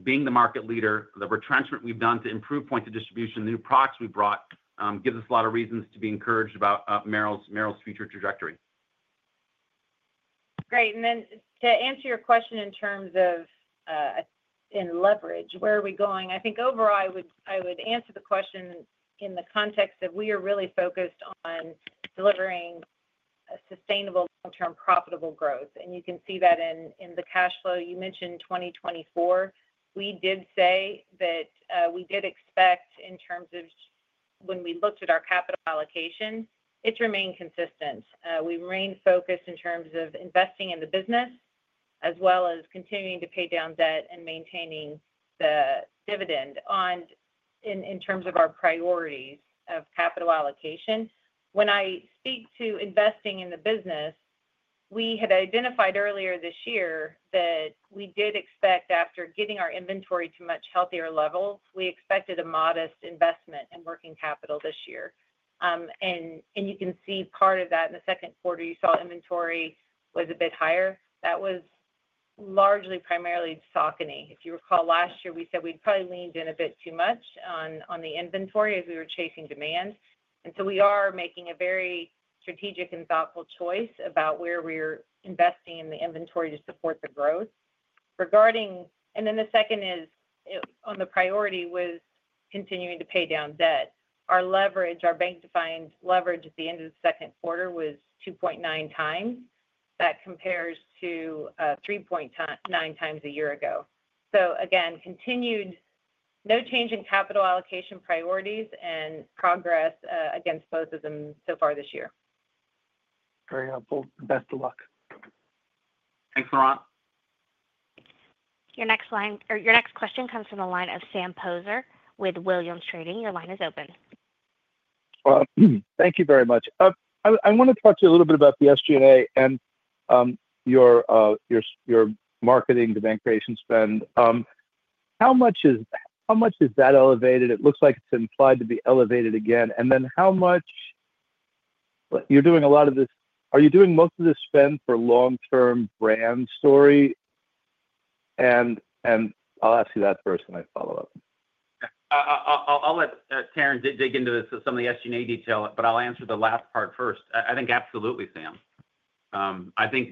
being the market leader, the retrenchment we've done to improve points of distribution, new products we brought, gives us a lot of reasons to be encouraged about Merrell's future trajectory. Great. To answer your question, in terms of leverage, where are we going? I think overall, I would answer the question in the context that we are really focused on delivering a sustainable, long term profitable growth. You can see that in the cash flow you mentioned. In 2024, we did say that we did expect, in terms of when we looked at our capital allocation, it's remained consistent. We remain focused in terms of investing in the business as well as continuing to pay down debt and maintaining the dividend. In terms of our priorities of capital allocation, when I speak to investing in the business, we had identified earlier this year that we did expect, after getting our inventory to much healthier levels, we expected a modest investment in working capital this year. You can see part of that in the second quarter; you saw inventory was a bit higher. That was largely primarily Saucony. If you recall, last year we said we'd probably leaned in a bit too much on the inventory as we were chasing demand, and we are making a very strategic and thoughtful choice about where we're investing in the inventory to support the growth. The second priority was continuing to pay down debt. Our leverage, our bank defined leverage at the end of the second quarter, was 2.9x. That compares to 3.9x a year ago. Continued, no change in capital allocation priorities and progress against both of them so far this year. Very helpful. Best of luck. Thanks, Laurent. Your next question comes from the line of Sam Poser with Williams Trading. Your line is open. Thank you very much. I want to talk to you a little bit about the SG&A and your marketing demand creation spend. How much is that elevated? It looks like it's implied to be elevated again and then how much you're doing a lot of this. Are you doing most of the spend for long term brand story? I'll ask you that first when I follow up. I'll let Taryn dig into some of the SG&A detail, but I'll answer the last part first. I think absolutely, Sam. I think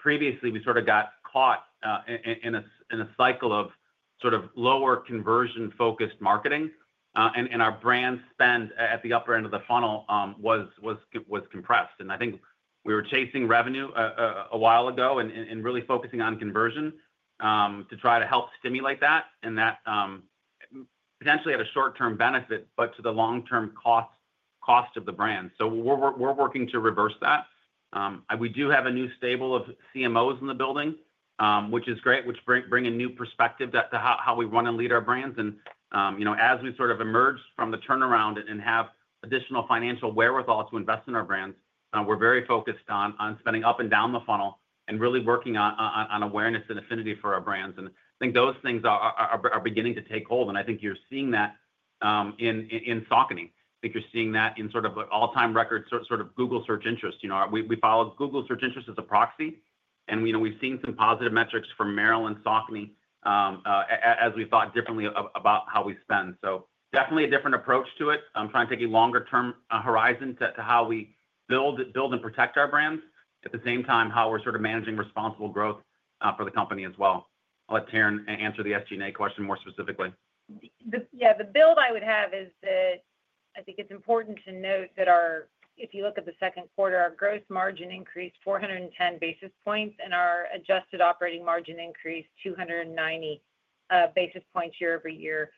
previously we sort of got caught in a cycle of lower conversion focused marketing and our brand spend at the upper end of the funnel was compressed. I think we were chasing revenue a while ago and really focusing on conversion to try to help stimulate that and that potentially had a short term benefit but to the long term cost of the brand. We're working to reverse that. We do have a new stable of CMOs in the building, which is great, which bring a new perspective to how we run and lead our brands. As we sort of emerge from the turnaround and have additional financial wherewithal to invest in our brands, we're very focused on spending up and down the funnel and really working on awareness and affinity for our brands. I think those things are beginning to take hold and I think you're seeing that in Saucony. I think you're seeing that in sort of all time record Google search interest. We follow Google search interest as a proxy and we've seen some positive metrics from Merrell and Saucony as we thought differently about how we spend. Definitely a different approach to it. I'm trying to take a longer term horizon to how we build and protect our brands at the same time how we're managing responsible growth for the company as well. I'll let Taryn answer the SG&A question more specifically. Yeah, the build I would have is that I think it's important to note that our, if you look at the second quarter, our gross margin increased 410 basis points and our adjusted operating margin increased 290 basis points year-over-year.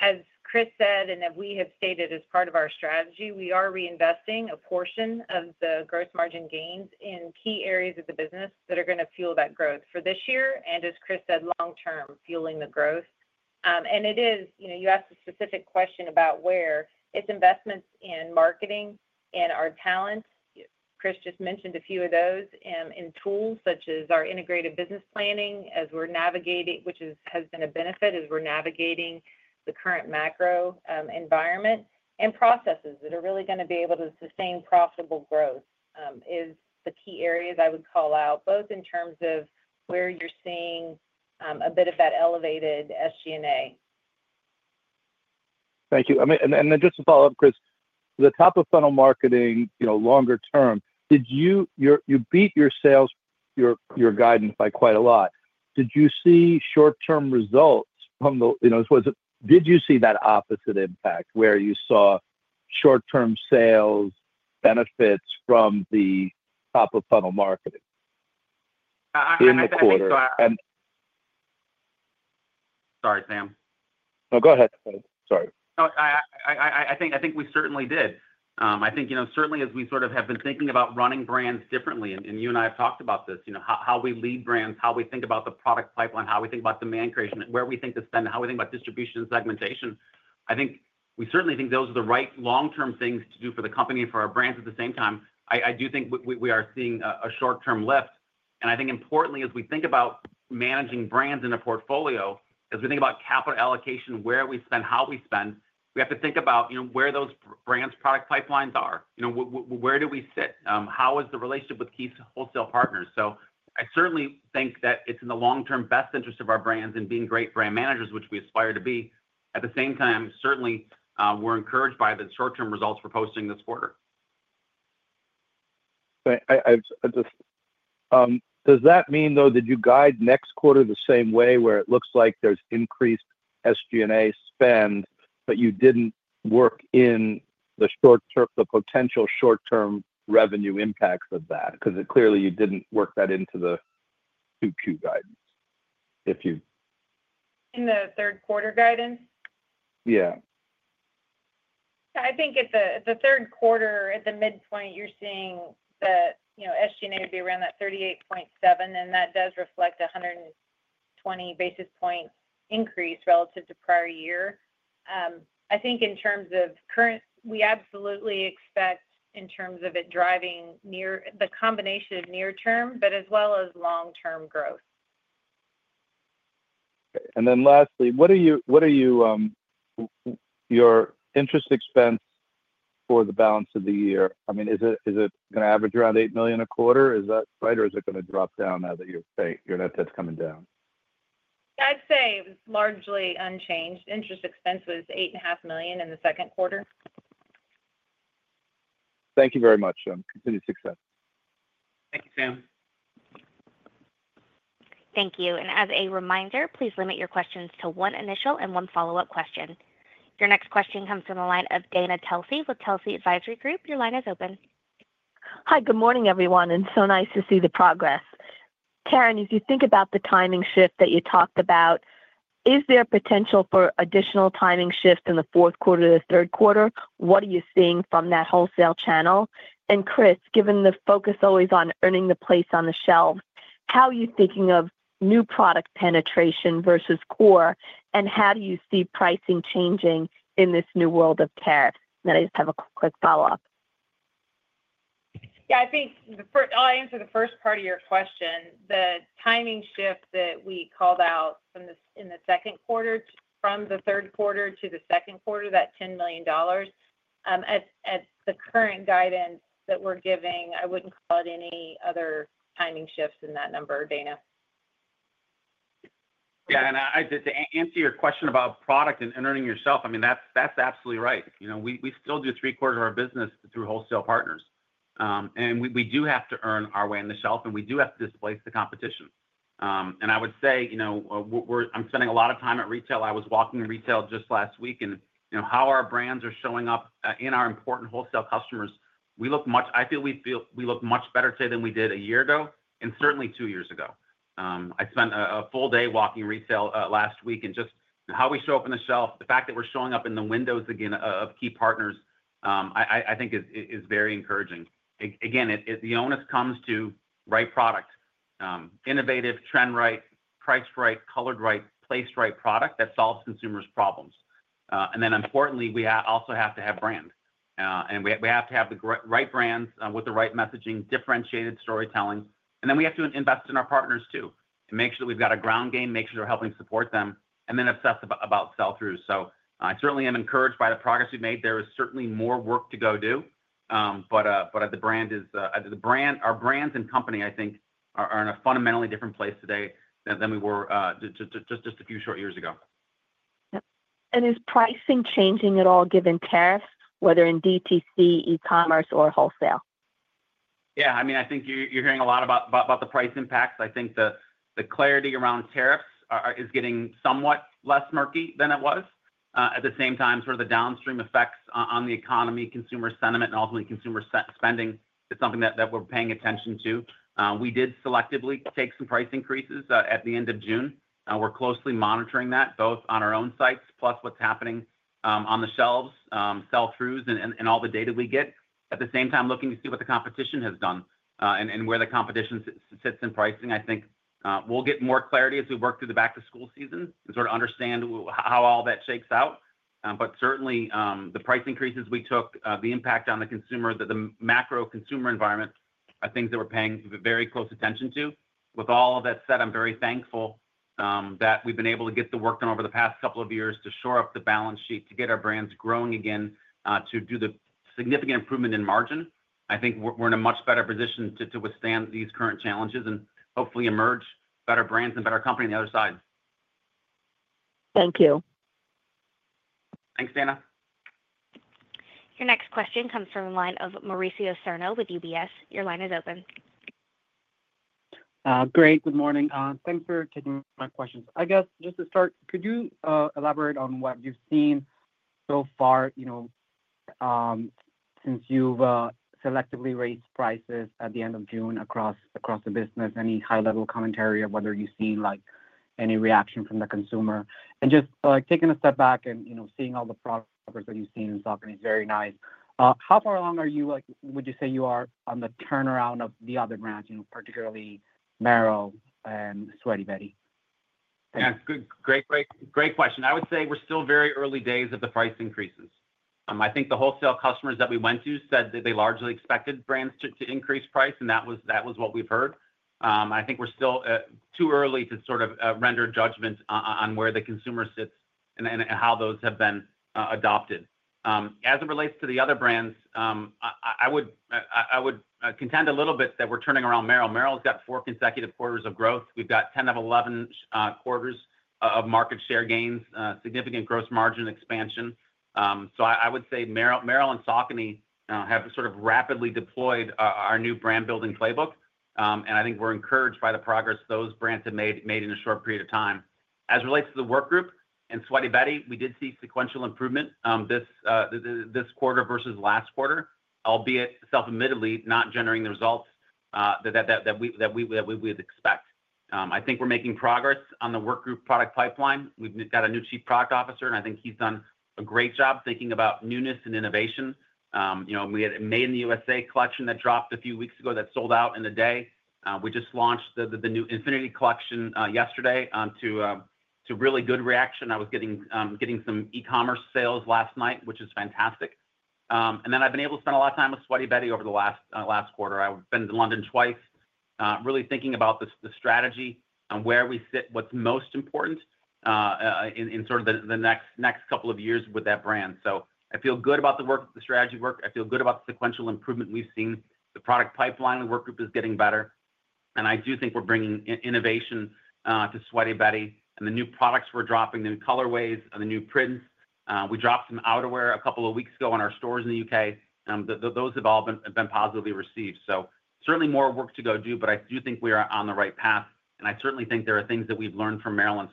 As Chris said and we have stated as part of our strategy, we are reinvesting a portion of the gross margin in key areas of the business that are going to fuel that growth for this year and, as Chris said, long term fueling the growth. You asked a specific question about where it's investments in marketing and our talent. Chris just mentioned a few of those in tools such as our integrated business planning as we're navigating, which has been a benefit as we're navigating the current macroeconomic environment, and processes that are really going to be able to sustain profitable growth is the key areas I would call out both in terms of where you're seeing a bit of that elevated SG&A. Thank you. I mean, just to follow up, Chris, the top of funnel marketing, you know, longer term, did you, you beat your sales, your guidance by quite a lot. Did you see short term results from the, you know, was it, did you see that opposite impact where you saw short term sales benefits from the top of funnel marketing in the quarter? Sorry, Sam. Oh, go ahead. Sorry. I think we certainly did. I think, you know, certainly as we sort of have been thinking about running brands differently and you and I have talked about this, you know, how we lead brands, how we think about the product pipeline, how we think about demand creation, where we think that's done, how we think about distribution and segmentation. I think we certainly think those are the right long term things to do for the company, for our brands. At the same time, I do think we are seeing a short term lift and I think, importantly, as we think about managing brands in a portfolio, as we think about capital allocation, where we spend, how we spend, we have to think about where those brands' product pipelines are, where do we sit, how is the relationship with key wholesale partners. So I certainly think that it's in the long term best interest of our brands and being great brand managers, which we aspire to be. At the same time, certainly we're encouraged by the short term results we're posting this quarter. Does that mean though that you guide next quarter the same way, where it looks like there's increased SG&A spend, but you didn't work in the short term, the potential short term revenue impacts of that, because clearly you didn't work that into the 2Q guidance. If you. In the third quarter guidance, I think at the third quarter at the midpoint you're seeing that, you know, SG&A would be around that $38.7 million and that does reflect a 120 basis point increase relative to prior year. I think in terms of current, we absolutely expect in terms of it driving near the combination of near term but as well as long term growth. Lastly, your interest expense for the balance of the year, is it going to average around $8 million a quarter, is that right? Is it going to drop down now that your net debt's coming down? I'd say largely unchanged. Interest expense was $8.5 million in the second quarter. Thank you very much. Continued success, Thankyou Sam. Thank you. As a reminder, please limit your questions to one initial and one follow up question. Your next question comes from the line of Dana Telsey with Telsey Advisory Group. Your line is open. Hi, good morning everyone and so nice to see the progress. Taryn, if you think about the timing shift that you talked about, is there potential for additional timing shift in the fourth quarter to the third quarter or what are you seeing from that wholesale channel? Chris, given the focus always on earning the place on the shelves, how are you thinking of new product penetration versus core and how do you see pricing changing in this new world of tariffs then? I just have a quick follow up. I think I'll answer the first part of your question. The timing shift that we called out in the second quarter from the third quarter to the second quarter, that $10 million at the current guidance that we're giving, I wouldn't call it any other timing shifts in that number, Dana. Yeah, and to answer your question about product and earning yourself, I mean that's absolutely right. We still do three quarters of our business through wholesale partners and we do have to earn our way on the shelf and we do have to displace the competition. I would say, you know, I'm spending a lot of time at retail. I was walking retail just last week and you know how our brands are showing up in our important wholesale customers. We feel we look much better today than we did a year ago and certainly two years ago. I spent a full day walking retail last week. Just how we show up on the shelf, the fact that we're showing up in the windows again of key partners, I think is very encouraging. The onus comes to right product, innovative trend, right priced, right colored, right placed, right product that solves consumers' problems. Importantly, we also have to have brand and we have to have the right brands with the right messaging, differentiated storytelling. We have to invest in our partners too, make sure that we've got a ground game, make sure we're helping support them and then obsess about sell through. I certainly am encouraged by the progress we've made. There is certainly more work to go do, but the brand is the brand. Our brands and company, I think, are in a fundamentally different place today than we were just a few short years ago. Is pricing changing at all given tariffs, whether in DTC, e-commerce, or wholesale? Yeah, I mean I think you're hearing a lot about the price impacts. I think the clarity around tariffs is getting somewhat less murky than it was. At the same time, the downstream effects on the economy, consumer sentiment, and ultimately consumer spending, it's something that we're paying attention to. We did selectively take some price increases at the end of June. We're closely monitoring that both on our own sites, plus what's happening on the shelves, sell-throughs, and all the data we get. At the same time, looking to see what the competition has done and where the competition sits in pricing. I think we'll get more clarity as we work through the back-to-school season and understand how all that shakes out. The price increases we took, the impact on the consumer, and the macro consumer environment are things that we're paying very close attention to. With all of that said, I'm very thankful that we've been able to get the work done over the past couple of years to shore up the balance sheet, to get our brands growing again, to do the significant improvement in margin. I think we're in a much better position to withstand these current challenges and hopefully emerge better brands and a better company on the other side. Thank you. Thanks Dana. Your next question comes from the line of Mauricio Serna with UBS. Your line is open. Great. Good morning. Thanks for taking my questions. I guess just to start, could you. Elaborate on what you've seen so far? You know, since you've selectively raised prices at the end of June across the business, any high-level commentary or whether you see any reaction from the consumer and just taking a step back and seeing all the progress that you've seen in stock, and it's very nice. How far along would you say you are on the turnaround of the other brands, particularly Merrell and Sweaty Betty? That's good. Great, great, great question. I would say we're still very early days of the price increases. I think the wholesale customers that we went to said that they largely expected brands to increase price, and that was what we've heard. I think we're still too early to sort of render judgment on where the consumer sits and how those have been adopted. As it relates to the other brands, I would contend a little bit that we're turning around Merrell. Merrell's got four consecutive quarters of growth. We've got 10 of 11 quarters of market share gains, significant gross margin expansion. I would say Merrell and Saucony have sort of rapidly deployed our new brand building playbook, and I think we're encouraged by the progress those brands have made in a short period of time. As it relates to the work group and Sweaty Betty, we did see sequential improvement this quarter versus last quarter, albeit self-admittedly not generating the results that we would expect. I think we're making progress on the work group product pipeline. We've got a new Chief Product Officer, and I think he's done a great job thinking about newness and innovation. We had a Made in the USA collection that dropped a few weeks ago that sold out in a day. We just launched the new Infinity Collection yesterday to really good reaction. I was getting some e-commerce sales last night, which is fantastic. I've been able to spend a lot of time with Sweaty Betty over the last quarter. I've been to London twice, really thinking about the strategy and where we sit, what's most important in the next couple of years with that brand. I feel good about the strategy work. I feel good about the sequential improvement we've seen. The product pipeline, the work group is getting better. I do think we're bringing innovation to Sweaty Betty and the new products we're dropping, new colorways, the new prints. We dropped some outerwear a couple of weeks ago in our stores in the U.K., and those have all been positively received. Certainly, more work to go do, but I do think we are on the right path, and I certainly think there are things that we've learned from Merrell and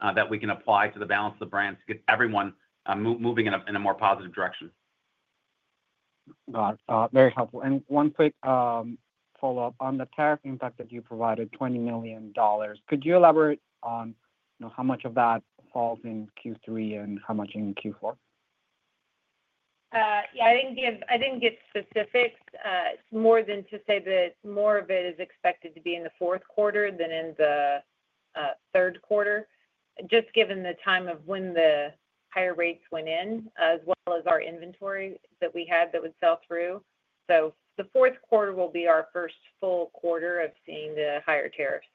Saucony that we can apply to the balance of the brand to get everyone moving in a more positive direction. Very helpful. One quick follow-up on the tariff impact that you provided, $20 million. Could you elaborate on how much of that falls in Q3 and how much in Q4? Yeah, I didn't get specifics, more than to say that more of it is expected to be in the fourth quarter than in the third quarter, just given the timing of when the higher rates went in, as well as our inventory that we had that would sell through. The fourth quarter will be our first full quarter of seeing the higher tariffs.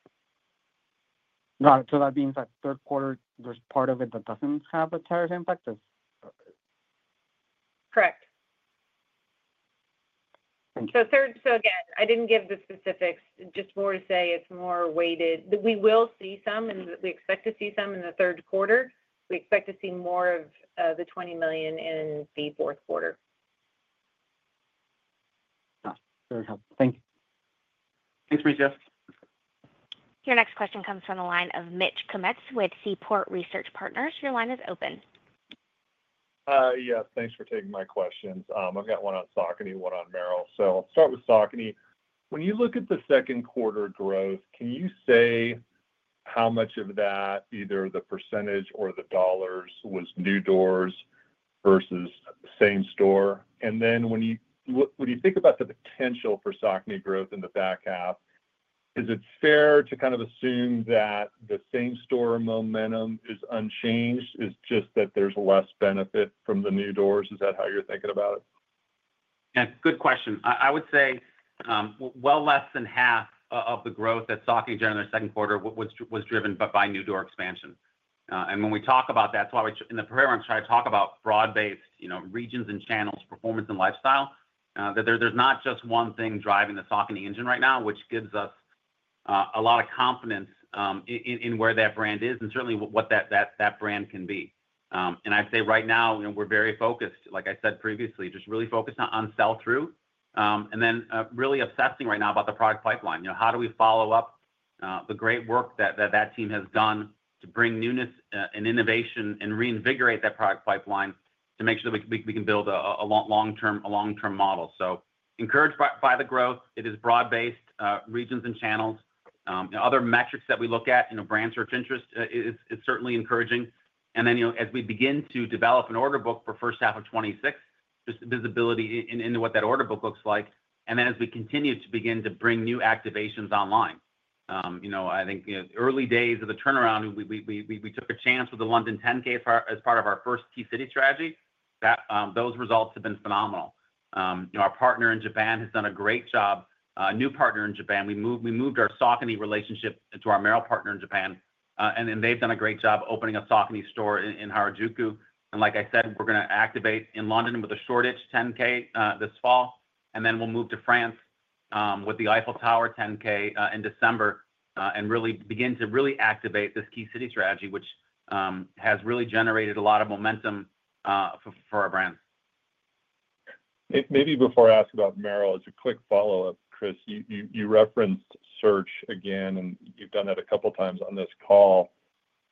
That means that third quarter, there's part of it that doesn't have a tariff impact. Correct. Again, I didn't give the specifics, just more to say it's more weighted. We will see some, and we expect to see some in the third quarter. We expect to see more of the $20 million in the fourth quarter. Very helpful, thank you. Thanks, Mauricio, your next question comes from the line of Mitch Kummetz with Seaport Research Partners. Your line is open. Yes, thanks for taking my questions. I've got one on Saucony, one on Merrell. I'll start with Saucony. When you look at the second quarter growth, can you say how much of that, either the percentage or the dollars, was new doors versus same store? When you think about the potential for Saucony growth in the back half, is it fair to kind of assume that the same store momentum is unchanged, it's just that there's less benefit from the new doors? Is that how you're thinking about it? Good question. I would say less than half of the growth that Saucony generated in the second quarter was driven by new door expansion. When we talk about that in the programs, I talk about broad-based regions and channels, performance and lifestyle, that there's not just one thing driving the Saucony engine right now, which gives us a lot of confidence in where that brand is and certainly what that brand can be. I'd say right now we're very focused, like I said previously, just really focused on sell-through and then really obsessing right now about the product pipeline. How do we follow up the great work that that team has done to bring newness and innovation and reinvigorate that product pipeline to make sure that we can build a long-term model. Encouraged by the growth, it is broad-based regions and channels. Other metrics that we look at in a brand, search interest, it's certainly encouraging. As we begin to develop an order book for the first half of 2026, just visibility into what that order book looks like, and as we continue to begin to bring new activations online, I think early days of the turnaround we took a chance with the London 10K as part of our first Key City strategy. Those results have been phenomenal. Our partner in Japan has done a great job. New partner in Japan, we moved our Saucony relationship to our Merrell partner in Japan, and they've done a great job opening a Saucony store in Harajuku. Like I said, we're going to activate in London with a Shoreditch 10K this fall, and then we'll move to France with the Eiffel Tower 10K in December and really begin to activate this Key City strategy, which has really generated a lot of momentum for our brand. Maybe before I ask about Merrell, it's a quick follow-up. Chris, you referenced search again and you've done that a couple times on this call.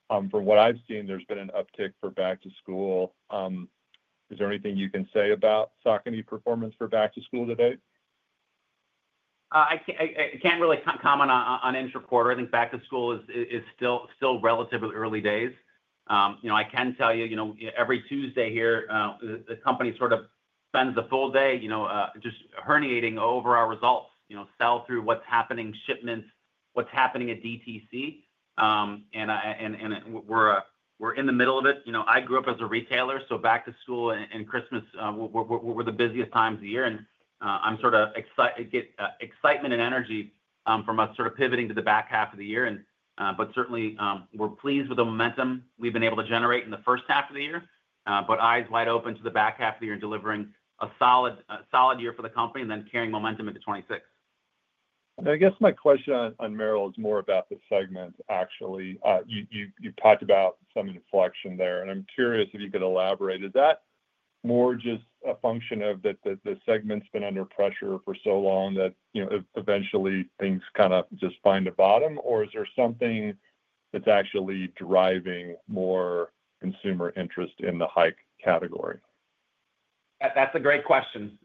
From what I've seen, there's been an uptick for Back to School. Is there anything you can say about Saucony performance for Back to School today? I can't really comment on intra quarter. I think Back to School is still relatively early days. I can tell you every Tuesday here the company spends the full day just herniating over our results, sell through, what's happening, shipments, what's happening at DTC, and we're in the middle of it. You know I grew up as a retailer, so Back to School and Christmas were the busiest times of year, and I'm excited, get excitement and energy from us pivoting to the back half of the year, but certainly we're pleased with the momentum we've been able to generate in the first half of the year. Eyes wide open to the back half of the year delivering a solid year for the company and then carrying momentum into 2026. I guess my question on Merrell is more about the segment actually. You've talked about some inflection there and I'm curious if you could elaborate. Is that more just a function of that the segment's been under pressure for so long that eventually things kind of just find a bottom, or is there something that's actually driving more consumer interest in the hike category? That's a great question.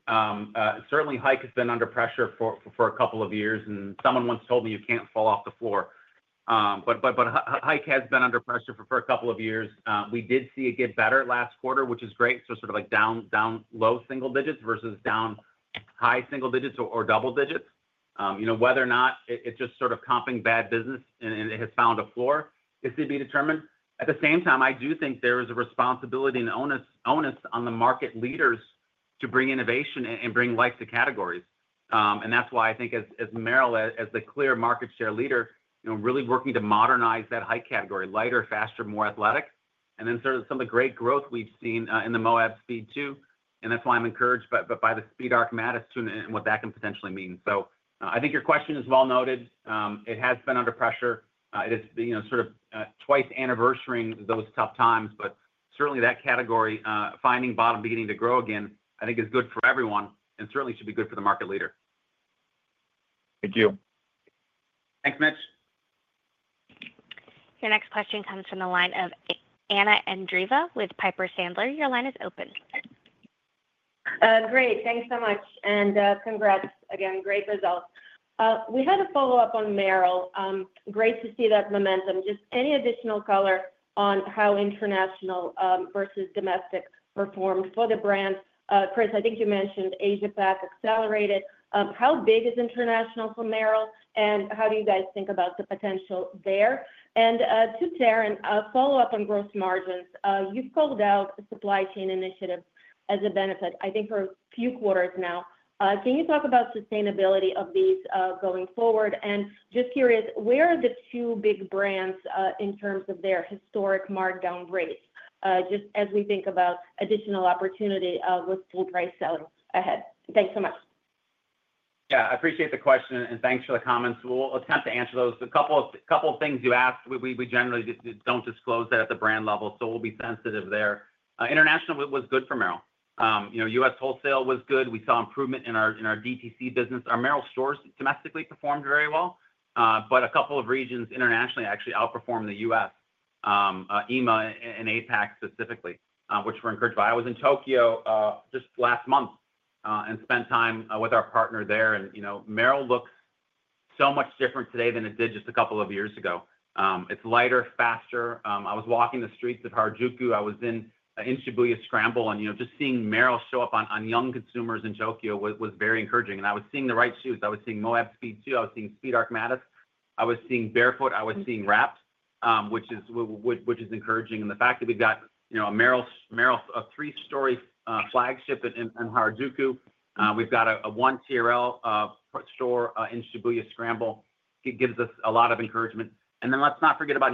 Certainly hike has been under pressure for a couple of years and someone once told me you can't fall off the floor. Hike has been under pressure for a couple of years. We did see it get better last quarter, which is great. Down low single digits versus down high single digits or double digits, whether or not it's just comping bad business and it has found a floor is to be determined. At the same time, I do think there is a responsibility and onus on the market leaders to bring innovation and bring life to categories. That's why I think as Merrell as the clear market share leader, really working to modernize that hike category. Lighter, faster, more athletic, and then some of the great growth we've seen in the Moab Speed 2. That's why I'm encouraged by the Speed Arc Matryx and what that can potentially mean. I think your question is well noted. It has been under pressure. It is twice anniversarying those tough times. That category finding bottom, beginning to grow again, I think is good for everyone and certainly should be good for the market leader. Thank you. Thanks Mitch. Your next question comes from the line of Anna Andreeva with Piper Sadler. Your line is open. Great, thanks so much and congrats again. Great results. We had a follow-up on Merrell. Great to see that momentum. Just any additional color on how international versus domestic performed for the brands? Chris, I think you mentioned Asia-Pacific accelerated. How big is international for Merrell and how do you guys think about the potential there? To Taryn, follow-up on gross margins. You've called out supply chain initiative as a benefit I think for a few quarters now. Can you talk about sustainability of these going forward? Just curious, where are the two big brands in terms of their historic markdown rates? As we think about additional opportunity with full-price sales ahead. Thanks so much. Yeah, I appreciate the question and thanks for the comments. We'll attempt to answer those. A couple of things you asked. We generally don't disclose that at the brand level, so we'll be sensitive there. International was good for Merrell. You know, U.S. Wholesale was good. We saw improvement in our DTC business. Our Merrell stores domestically performed very well, but a couple of regions internationally actually outperformed the U.S., EMEA and Asia-Pacific specifically, which we're encouraged by. I was in Tokyo just last month and spent time with our partner there. You know, Merrell looks so much different today than it did just a couple of years ago. It's lighter, faster. I was walking the streets at Harajuku, I was in Shibuya Scramble, and just seeing Merrell show up on young consumers in Tokyo was very encouraging. I was seeing the right shoes. I was seeing Moab Speed 2, I was seeing Speed Arc Matryx, I was seeing barefoot, I was seeing Wrapt, which is encouraging. The fact that we've got a Merrell, a three-story flagship in Harajuku, we've got a 1TRL store in Shibuya Scramble, gives us a lot of encouragement. Let's not forget about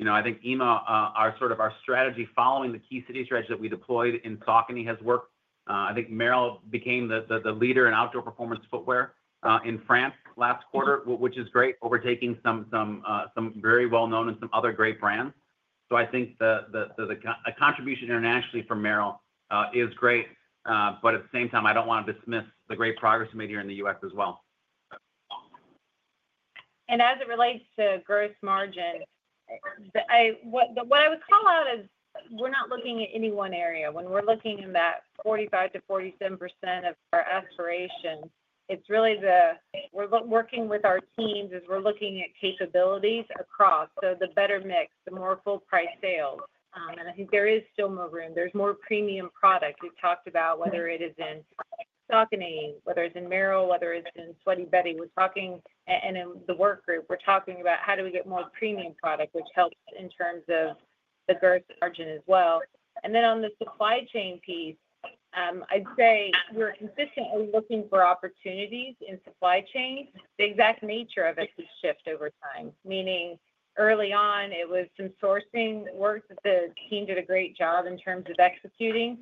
EMEA. I think EMEA, our sort of strategy following the key city strategy that we deployed in Saucony, has worked. I think Merrell became the leader in outdoor performance footwear in France last quarter, which is great, overtaking some very well-known and some other great brands. I think the contribution internationally from Merrell is great. At the same time, I don't want to dismiss the great progress made here in the U.S. as well. As it relates to gross margin, what I would call out is we're not looking at any one area when we're looking in that 45%-47% of our aspirations. It's really the, we're working with our teams as we're looking at capabilities across. The better mix, the more full-price sales. I think there is still more room, there's more premium product. We've talked about whether it is in Saucony, whether it's in Merrell, whether it's in Sweaty Betty. We're talking, and in the work group we're talking about how do we get more premium product, which helps in terms of the gross margin as well. On the supply chain piece, I'd say we're consistently looking for opportunities in supply chain. The exact nature of it could shift over time. Early on it was some sourcing work that the team did a great job in terms of executing.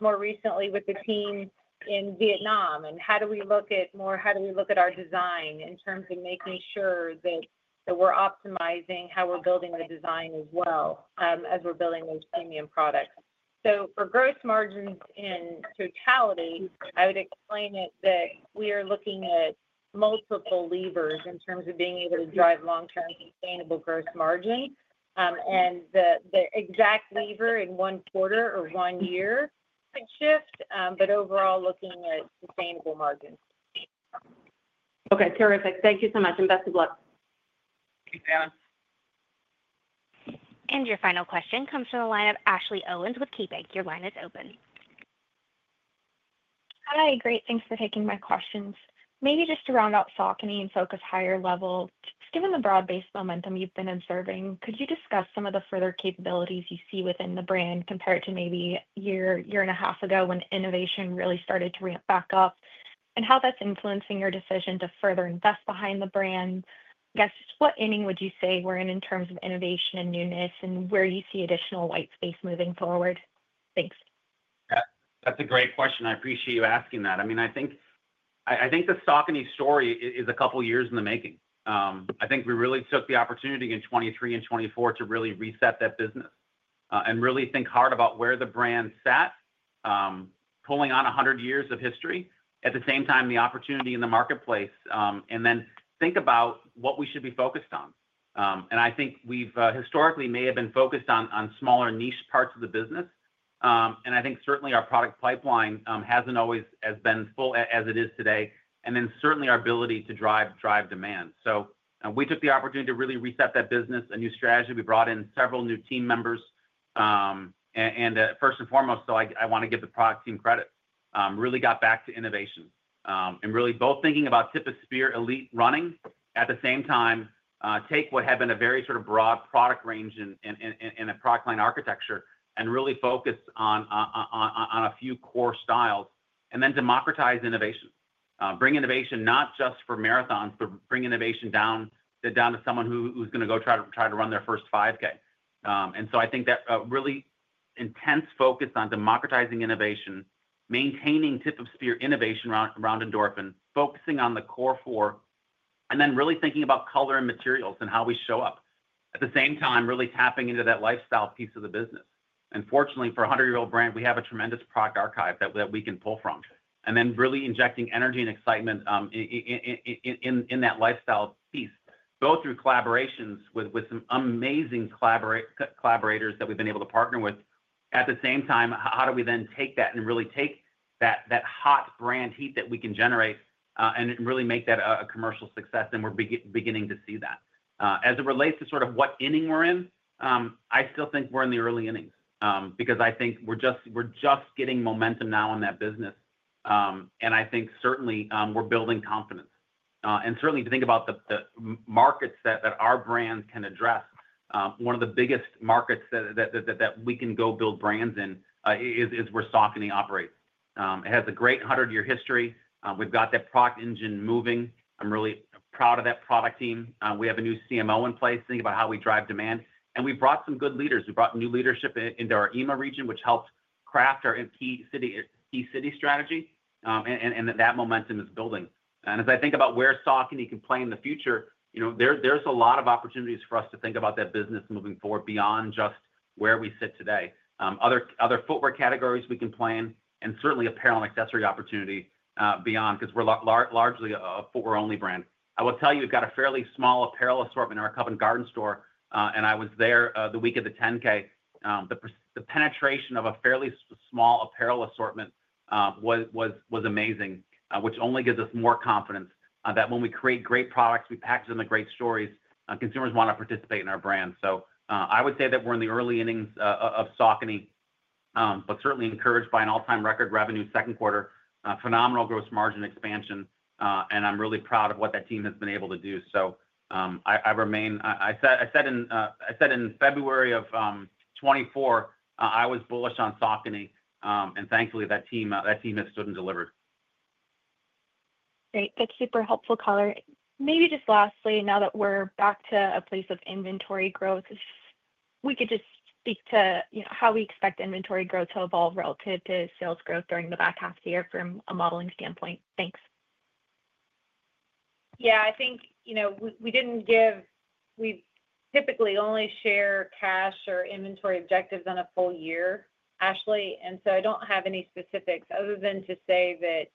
More recently, I was with the team in Vietnam and how do we look at more, how do we look at our design in terms of making sure that we're optimizing how we're building the design as well as we're building those premium products. For gross margins in totality, I would explain it that we are looking at multiple levers in terms of being able to drive long-term sustainable gross margin, and the exact lever in one quarter or one year could shift. Overall, looking at sustainable margin. Okay, terrific. Thank you so much and best of luck. Your final question comes from the line of Ashley Owens with KeyBanc. Your line is open. Hi. Great. Thanks for taking my questions. Maybe just to round out Saucony and focus higher level, given the broad-based momentum you've been observing, could you discuss some of the further capabilities you see within the brand compared to maybe a year, year and a half ago when innovation really started to ramp back up and how that's influencing your decision to further invest behind the brand? Guess what inning would you say we're in in terms of innovation and newness and where you see additional white space moving forward? Thanks, that's a great question. I appreciate you asking that. I think the Saucony story is a couple years in the making. We really took the opportunity in 2023 and 2024 to reset that business and really think hard about where the brand sat, pulling on 100 years of history at the same time as the opportunity in the marketplace, and then think about what we should be focused on. I think we historically may have been focused on smaller niche parts of the business, and certainly our product pipeline hasn't always been full as it is today, and certainly our ability to drive demand. We took the opportunity to reset that business. A new strategy. We brought in several new team members, and first and foremost, I want to give the product team credit, really got back to innovation and really both thinking about tip of spear elite running at the same time. Take what had been a very sort of broad product range in a product line architecture and really focus on a few core styles and then democratize innovation, bring innovation not just for marathons, but bring innovation down to someone who's going to go try to run their first 5k. I think that really intense focus on democratizing innovation, maintaining tip of spear innovation around Endorphin, focusing on the Core Four, and then really thinking about color and materials and how we show up, at the same time really tapping into that lifestyle piece of the business. Fortunately, for a 100 year old brand, we have a tremendous product archive that we can pull from and then really injecting energy and excitement in that lifestyle piece, go through collaborations with some amazing collaborators that we've been able to partner with. At the same time, how do we then take that and really take that hot brand heat that we can generate and really make that a commercial success. We're beginning to see that as it relates to sort of what inning we're in. I still think we're in the early innings because we're just getting momentum now in that business, and certainly we're building confidence and certainly to think about the markets that our brands can address. One of the biggest markets that we can go build brands in is where Saucony operates. It has a great 100 year history. We've got that product engine moving. I'm really proud of that product team. We have a new CMO in place thinking about how we drive demand, and we brought some good leaders. We brought new leadership into our EMEA region, which helped craft our Key City strategy, and that momentum is building. As I think about where Saucony can play in the future, you know, there's a lot of opportunities for us to think about that business moving forward beyond just where we sit today. Other footwear categories we can play in and certainly apparel and accessory opportunity beyond, because we're largely only brand. I will tell you, got a fairly small apparel assortment at our Covent Garden store, and I was there the week of the 10k. The penetration of a fairly small apparel assortment was amazing, which only gives us more confidence that when we create great products, we package them with great stories. Consumers want to participate in our brand. I would say that we're in the early innings of Saucony but certainly encouraged by an all-time record revenue, second quarter, phenomenal gross margin expansion. I'm really proud of what that team has been able to do. I remain. I said in February of 2024 I was bullish on Saucony, and thankfully that team, that team that stood and delivered. Great, that's super helpful. Color maybe. Just lastly, now that we're back to a place of inventory growth, could you just speak to how we expect inventory growth to evolve relative to sales growth during the back half of the year from a modeling standpoint? Thanks. Yeah, I think we didn't give—we typically only share cash or inventory objectives on a full year, Ashley. I don't have any specifics other than to say that,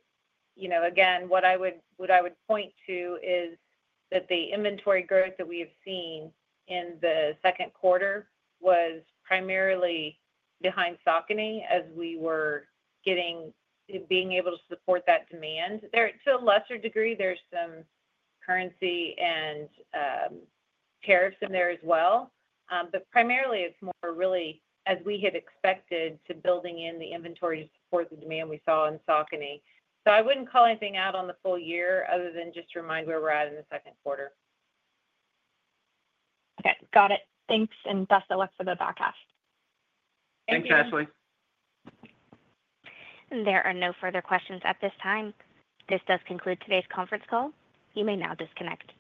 again, what I would point to is that the inventory growth that we have seen in the second quarter was primarily behind Saucony, as we were being able to support that demand there. To a lesser degree, there's some currency and tariffs in there as well, but primarily it's more really as we had expected, building in the inventory to support the demand we saw in Saucony. I wouldn't call anything out on the full year other than just remind where we're at in the second quarter. Okay, got it. Thanks, and best of luck for the back half. Thanks, Ashley. There are no further questions at this time. This does conclude today's conference call. You may now disconnect.